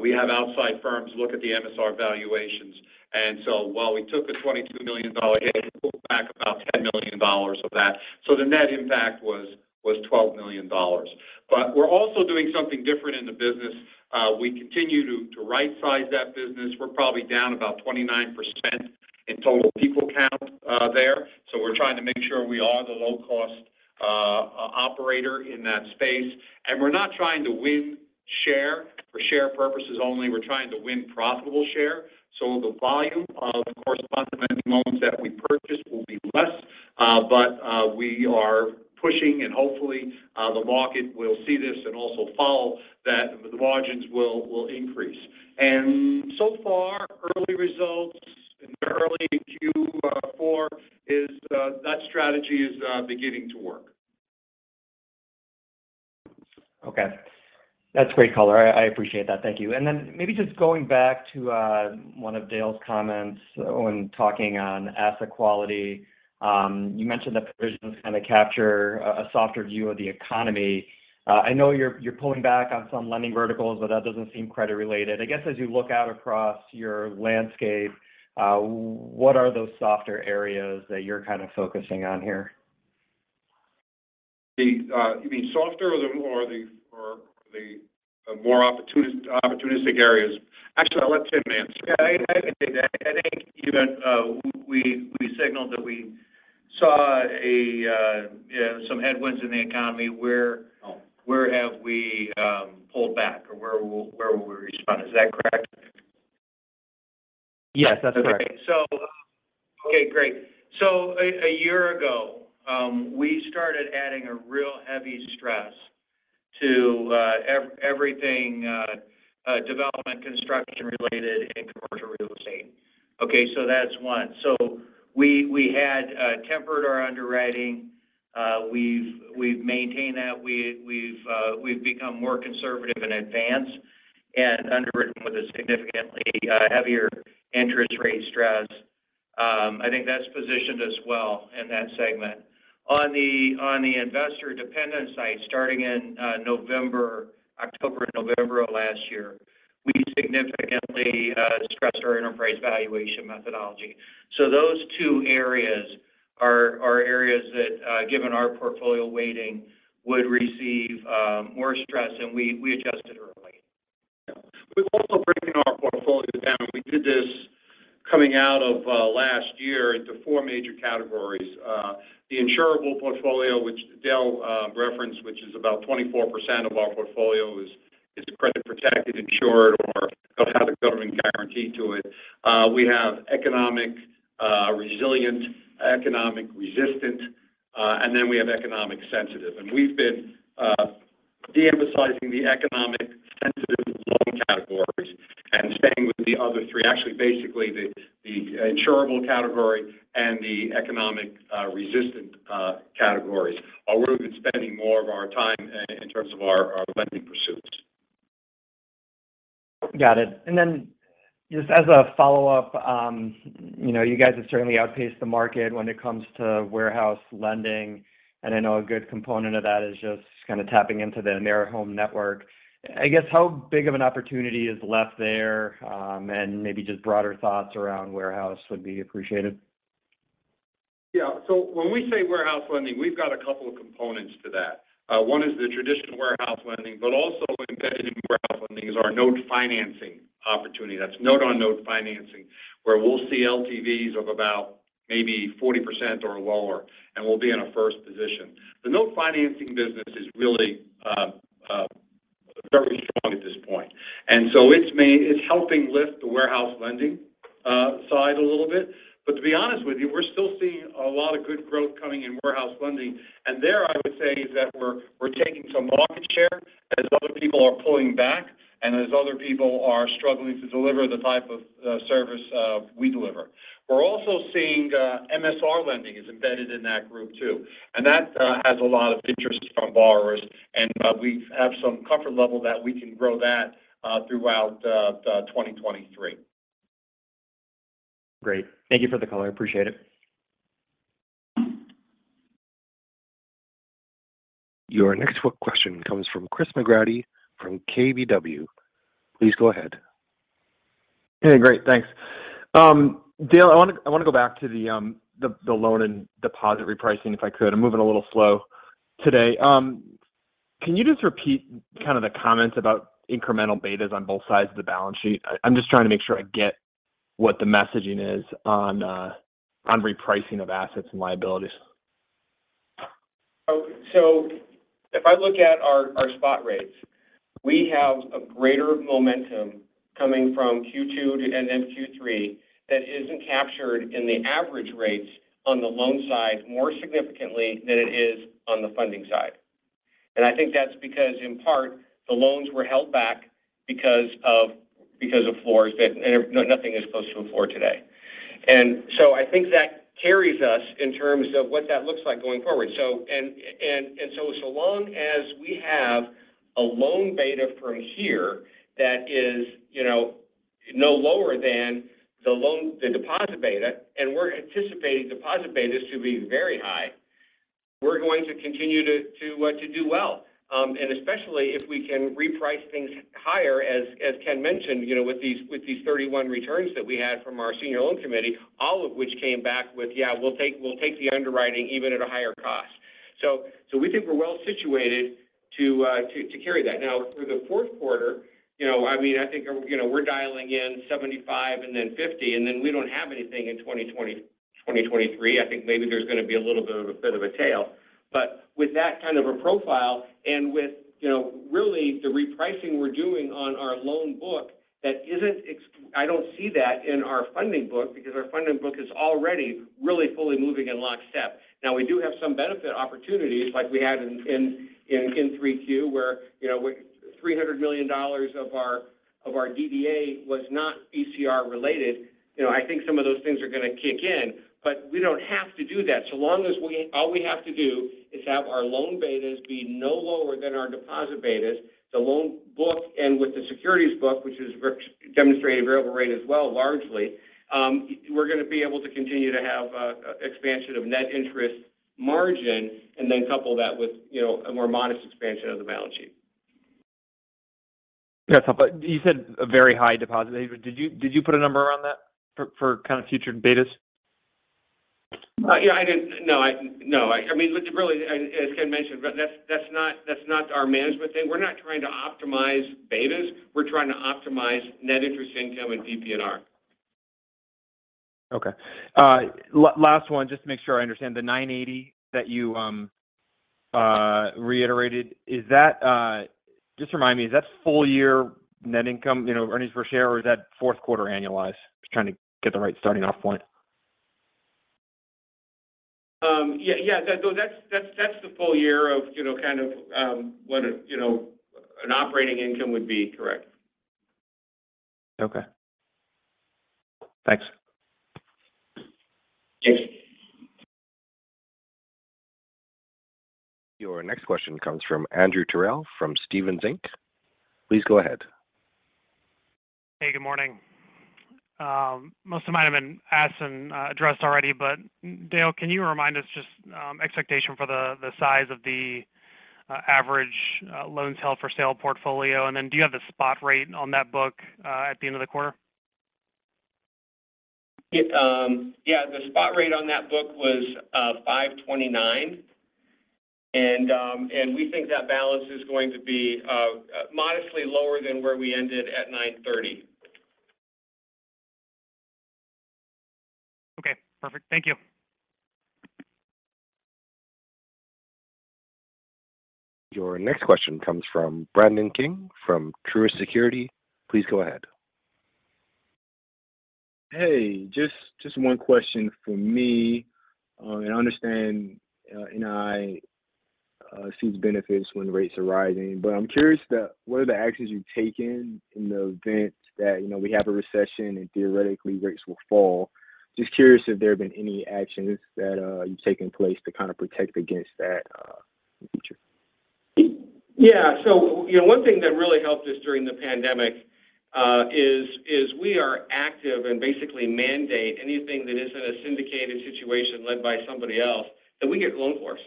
We have outside firms look at the MSR valuations. While we took a $22 million hit, we pulled back about $10 million of that. The net impact was $12 million. We're also doing something different in the business. We continue to right-size that business. We're probably down about 29% in total people count there. We're trying to make sure we are the low-cost operator in that space. We're not trying to win share for share purposes only. We're trying to win profitable share. The volume of the correspondent loans that we purchase will be less. We are pushing and hopefully, the market will see this and also follow that the margins will increase. So far, early results. Early Q4 is that strategy beginning to work. Okay. That's great color. I appreciate that, thank you. Then maybe just going back to one of Dale's comments when talking about asset quality. You mentioned that provisions kind of capture a softer view of the economy. I know you're pulling back on some lending verticals, but that doesn't seem credit related. I guess, as you look out across your landscape, what are those softer areas that you're kind of focusing on here? You mean softer or the more opportunistic areas? Actually, I'll let Tim answer. Yeah, I can take that. I think even we signaled that we saw some headwinds in the economy where. Oh. Where have we pulled back or where will we respond? Is that correct? Yes, that's correct. Okay, great. A year ago, we started adding a real heavy stress to everything development construction related in commercial real estate. That's one. We had tempered our underwriting. We've become more conservative in advance and underwritten with a significantly heavier interest rate stress. I think that's positioned us well in that segment. On the investor-dependent side, starting in October and November of last year, we significantly stressed our enterprise valuation methodology. Those two areas are areas that, given our portfolio weighting, would receive more stress, and we adjusted early. We've also broken our portfolio down. We did this coming out of last year into four major categories. The insurable portfolio which Dale referenced, which is about 24% of our portfolio is credit protected insured or have a government guarantee to it. We have economically resilient, economically resistant, and then we have economically sensitive. We've been de-emphasizing the economically sensitive loan categories and staying with the other three. Actually, basically, the insurable category and the economically resistant categories are where we've been spending more of our time in terms of our lending pursuits. Got it. Just as a follow-up, you know, you guys have certainly outpaced the market when it comes to warehouse lending. I know a good component of that is just kind of tapping into the AmeriHome network. I guess, how big of an opportunity is left there, and maybe just broader thoughts around warehouse would be appreciated. Yeah. When we say warehouse lending, we've got a couple of components to that. One is the traditional warehouse lending but also embedded in warehouse lending is our note financing opportunity. That's note-on-note financing, where we'll see LTVs of about maybe 40% or lower, and we'll be in a first position. The note financing business is really very strong at this point. It's helping lift the warehouse lending side a little bit. To be honest with you, we're still seeing a lot of good growth coming in warehouse lending. There I would say is that we're taking some market share as other people are pulling back and as other people are struggling to deliver the type of service we deliver. We're also seeing MSR lending is embedded in that group too, and that has a lot of interest from borrowers. We have some comfort level that we can grow that throughout 2023. Great. Thank you for the color. I appreciate it. Your next question comes from Chris McGratty from KBW. Please go ahead. Hey, great. Thanks. Dale, I wanna go back to the loan and deposit repricing, if I could. I'm moving a little slow today. Can you just repeat kind of the comments about incremental betas on both sides of the balance sheet? I'm just trying to make sure I get what the messaging is on repricing of assets and liabilities. If I look at our spot rates, we have a greater momentum coming from Q2 to Q3 that isn't captured in the average rates on the loan side more significantly than it is on the funding side. I think that's because in part, the loans were held back because of floors, and nothing is close to a floor today. I think that carries us in terms of what that looks like going forward. So long as we have a loan beta from here that is, you know, no lower than the deposit beta, and we're anticipating deposit betas to be very high, we're going to continue to do well. Especially if we can reprice things higher as Ken mentioned, you know, with these 31 returns that we had from our senior loan committee, all of which came back with, "Yeah, we'll take the underwriting even at a higher cost." We think we're well situated to carry that. Now through the fourth quarter, you know, I mean, I think, you know, we're dialing in 75 and then 50, and then we don't have anything in 2023. I think maybe there's going to be a little bit of a tail. With that kind of a profile and with, you know, really the repricing we're doing on our loan book, I don't see that in our funding book because our funding book is already really fully moving in lockstep. Now, we do have some benefit opportunities like we had in 3Q where, you know, $300 million of our DDA was not ECR related. You know, I think some of those things are going to kick in. We don't have to do that so long as all we have to do is have our loan betas be no lower than our deposit betas. The loan book and with the securities book which is demonstrating variable rate as well largely, we're going to be able to continue to have a expansion of net interest margin and then couple that with, you know, a more modest expansion of the balance sheet. Yeah. You said a very high deposit. Did you put a number on that for kind of future betas? No. I mean look, really as Ken mentioned, but that's not our management thing. We're not trying to optimize betas. We're trying to optimize net interest income and PPNR. Okay. Last one just to make sure I understand the $980 that you reiterated. Is that just remind me, is that full year net income, you know, earnings per share, or is that fourth quarter annualized? Just trying to get the right starting off point. Yeah. That's the full year of, you know, kind of, what a, you know, an operating income would be. Correct. Okay. Thanks. Thanks. Your next question comes from Andrew Terrell from Stephens Inc. Please go ahead. Hey, good morning. Most of mine have been asked and addressed already. Dale, can you remind us just expectation for the size of the average loans held for sale portfolio? And then do you have the spot rate on that book at the end of the quarter? Yeah. The spot rate on that book was 5.29%. We think that balance is going to be modestly lower than where we ended at 9/30. Okay. Perfect. Thank you. Your next question comes from Brandon King from Truist Securities. Please go ahead. Hey. Just one question from me. I understand NI sees benefits when rates are rising. I'm curious what are the actions you've taken in the event that, you know, we have a recession and theoretically rates will fall. Just curious if there have been any actions that you've taken in place to kind of protect against that in the future. Yeah. You know, one thing that really helped us during the pandemic is we are active and basically mandate anything that isn't a syndicated situation led by somebody else that we get loan floor.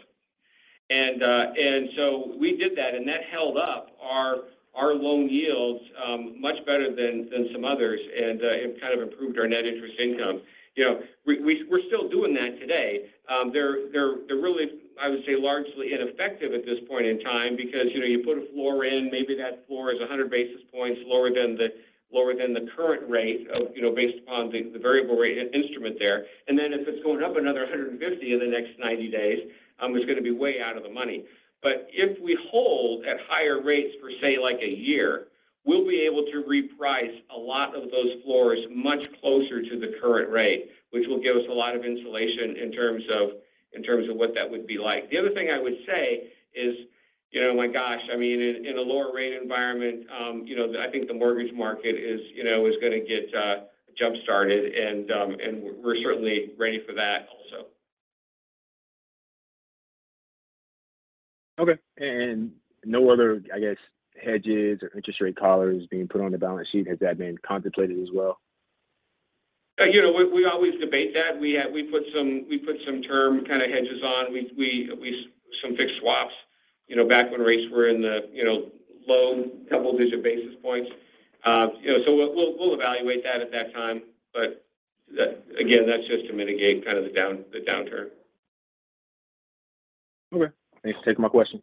We did that, and that held up our loan yields much better than some others and it kind of improved our net interest income. You know, we're still doing that today. They're really I would say largely ineffective at this point in time because you know, you put a floor in. Maybe that floor is 100 basis points lower than the current rate of you know, based upon the variable rate instrument there. If it's going up another 150 in the next 90 days, it's going to be way out of the money. If we hold at higher rates for say like a year, we'll be able to reprice a lot of those floors much closer to the current rate, which will give us a lot of insulation in terms of what that would be like. The other thing I would say is, you know, my gosh, I mean, in a lower rate environment, you know, I think the mortgage market is going to get jump-started and we're certainly ready for that also. Okay. No other, I guess, hedges or interest rate collars being put on the balance sheet. Has that been contemplated as well? You know, we always debate that. We put some term kind of hedges on. Some fixed swaps, you know, back when rates were in the, you know, low double-digit basis points. You know, we'll evaluate that at that time. Again, that's just to mitigate kind of the downturn. Okay. Thanks for taking my question.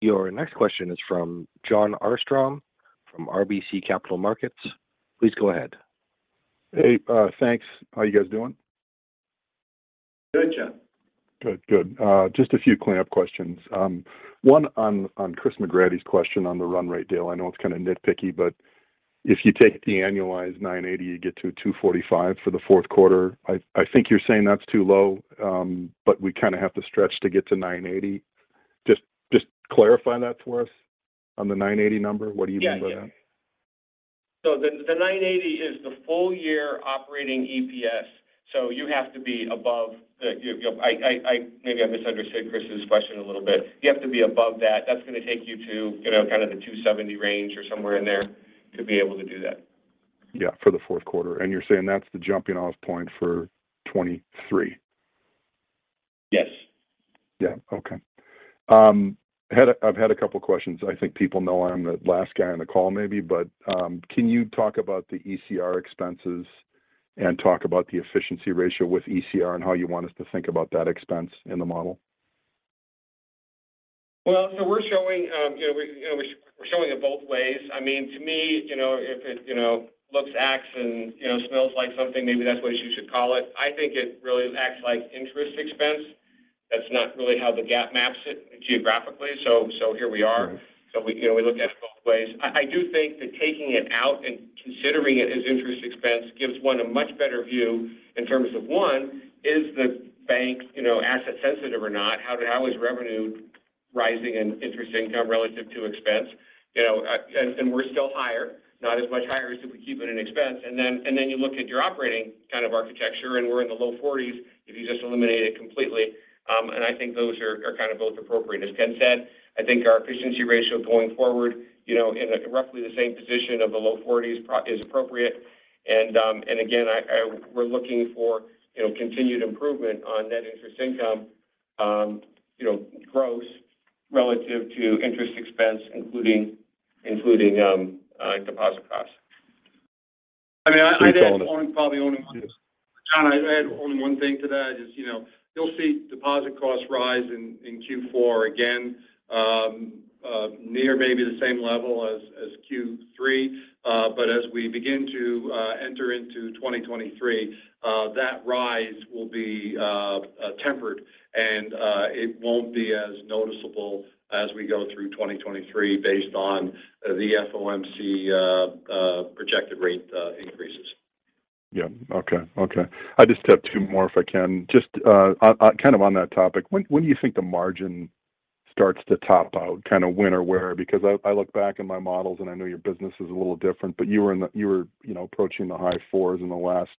Thank you. Your next question is from Jon Arfstrom from RBC Capital Markets. Please go ahead. Hey. Thanks. How you guys doing? Good, Jon. Good. Just a few cleanup questions. One on Chris McGratty's question on the run rate deal. I know it's kind of nitpicky, but if you take the annualized $980, you get to a $245 for the fourth quarter. I think you're saying that's too low. But we kind of have to stretch to get to $980. Just clarify that for us on the $980 number. What do you mean by that? Yeah. The $9.80 is the full year operating EPS, so you have to be above that. Maybe I misunderstood Chris's question a little bit. You have to be above that. That's going to take you to, you know, kind of the $2.70 range or somewhere in there to be able to do that. Yeah, for the fourth quarter. You're saying that's the jumping off point for 2023? Yes. Yeah. Okay. I've had a couple questions. I think people know I'm the last guy on the call maybe. Can you talk about the ECR expenses and talk about the efficiency ratio with ECR and how you want us to think about that expense in the model? Well, we're showing it both ways. You know, I mean, to me, you know, if it looks, acts and smells like something, maybe that's what you should call it. I think it really acts like interest expense. That's not really how the GAAP maps it geographically. Here we are. Mm-hmm. We, you know, we look at it both ways. I do think that taking it out and considering it as interest expense gives one a much better view in terms of, one, is the bank, you know, asset sensitive or not? How is revenue Rising in interest income relative to expense. You know, and we're still higher, not as much higher as if we keep it in expense. Then you look at your operating kind of architecture, and we're in the low 40s% if you just eliminate it completely. I think those are kind of both appropriate. As Ken said, I think our efficiency ratio going forward, you know, in a roughly the same position of the low 40s% is appropriate. We're looking for, you know, continued improvement on net interest income, you know, gross relative to interest expense, including deposit costs. Please go on. I mean, I'd add probably only one- Yes. Jon, I'd add only one thing to that is, you know, you'll see deposit costs rise in Q4 again, near maybe the same level as Q3. As we begin to enter into 2023, that rise will be tempered, and it won't be as noticeable as we go through 2023 based on the FOMC projected rate increases. Yeah. Okay, okay. I just have two more if I can. Just, kind of on that topic, when do you think the margin starts to top out, kind of when or where? Because I look back in my models, and I know your business is a little different, but you were, you know, approaching the high fours in the last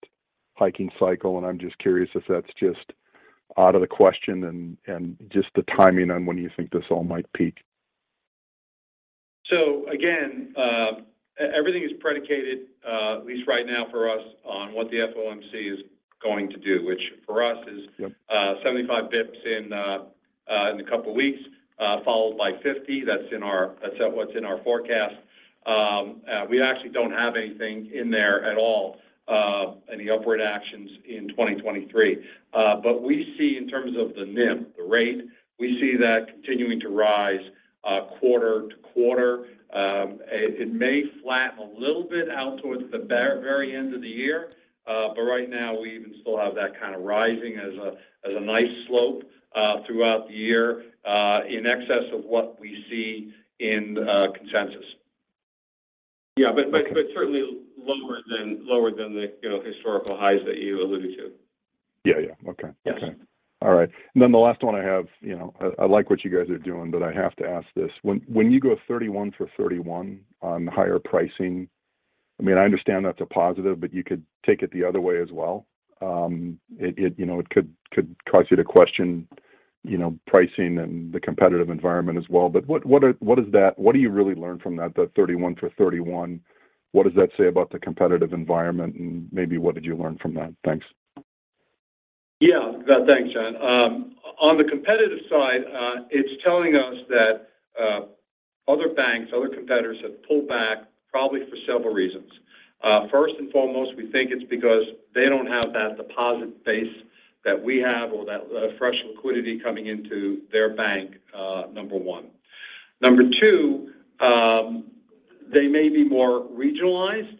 hiking cycle, and I'm just curious if that's just out of the question and just the timing on when you think this all might peak. Again, everything is predicated, at least right now for us, on what the FOMC is going to do, which for us is- Yep 75 basis points in a couple weeks, followed by 50. That's what's in our forecast. We actually don't have anything in there at all, any upward actions in 2023. We see in terms of the NIM, the rate, we see that continuing to rise quarter to quarter. It may flatten a little bit out towards the very end of the year. Right now, we even still have that kind of rising as a nice slope throughout the year, in excess of what we see in consensus. Yeah, but certainly lower than the historical highs that you alluded to. Yeah, yeah. Okay. Yes. The last one I have, you know, I like what you guys are doing, but I have to ask this. When you go 31 for 31 on higher pricing, I mean, I understand that's a positive, but you could take it the other way as well. It could cause you to question, you know, pricing and the competitive environment as well. What do you really learn from that 31 for 31? What does that say about the competitive environment and maybe what did you learn from that? Thanks. Yeah. Thanks, Jon. On the competitive side, it's telling us that other banks, other competitors have pulled back probably for several reasons. First and foremost, we think it's because they don't have that deposit base that we have or that fresh liquidity coming into their bank, number one. Number two, they may be more regionalized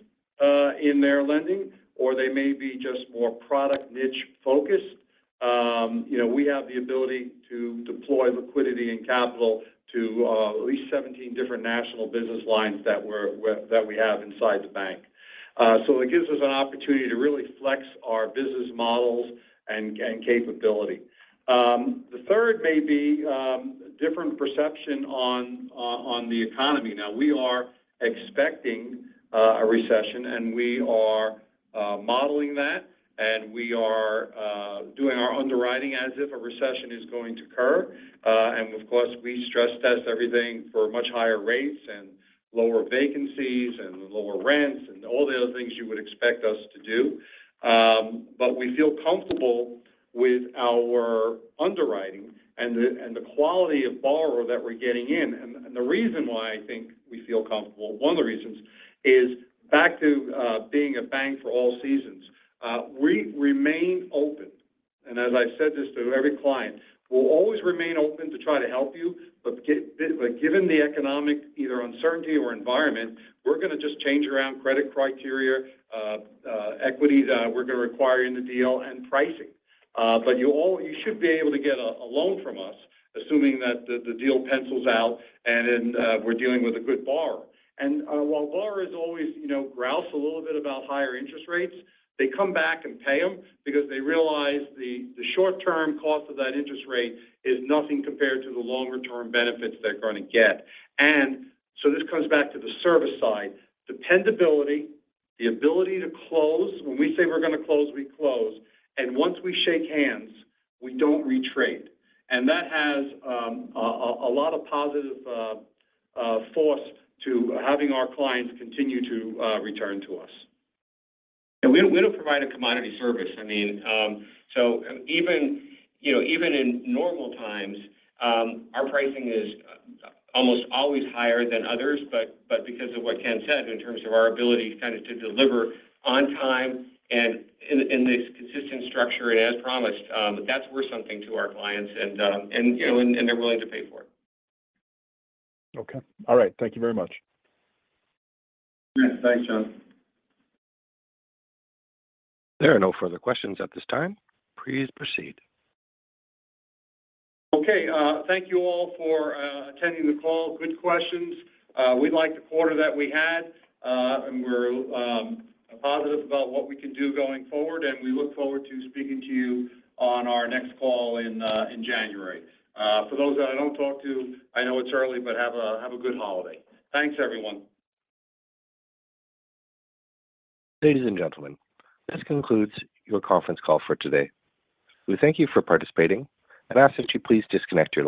in their lending, or they may be just more product niche-focused. You know, we have the ability to deploy liquidity and capital to at least 17 different national business lines that we have inside the bank. So it gives us an opportunity to really flex our business models and capability. The third may be different perception on the economy. Now, we are expecting a recession, and we are modeling that and we are doing our underwriting as if a recession is going to occur. Of course, we stress-test everything for much higher rates and lower vacancies and lower rents and all the other things you would expect us to do. We feel comfortable with our underwriting and the quality of borrower that we're getting in. The reason why I think we feel comfortable, one of the reasons is back to being a bank for all seasons. We remain open. As I've said this to every client, we'll always remain open to try to help you, but given the economic either uncertainty or environment, we're gonna just change around credit criteria, equity that we're gonna require in the deal, and pricing. You should be able to get a loan from us, assuming that the deal pencils out and then we're dealing with a good borrower. While borrowers always, you know, grouse a little bit about higher interest rates, they come back and pay them because they realize the short-term cost of that interest rate is nothing compared to the longer-term benefits they're gonna get. This comes back to the service side. Dependability, the ability to close. When we say we're gonna close, we close. Once we shake hands, we don't re-trade. That has a lot of positive force to having our clients continue to return to us. We don't provide a commodity service. I mean, so even, you know, even in normal times, our pricing is almost always higher than others. Because of what Ken said in terms of our ability kind of to deliver on time and in this consistent structure and as promised, that's worth something to our clients and, you know, and they're willing to pay for it. Okay. All right. Thank you very much. Yeah. Thanks, Jon. There are no further questions at this time. Please proceed. Okay. Thank you all for attending the call. Good questions. We like the quarter that we had. We're positive about what we can do going forward, and we look forward to speaking to you on our next call in January. For those that I don't talk to, I know it's early but have a good holiday. Thanks, everyone. Ladies and gentlemen, this concludes your conference call for today. We thank you for participating and ask that you please disconnect your lines.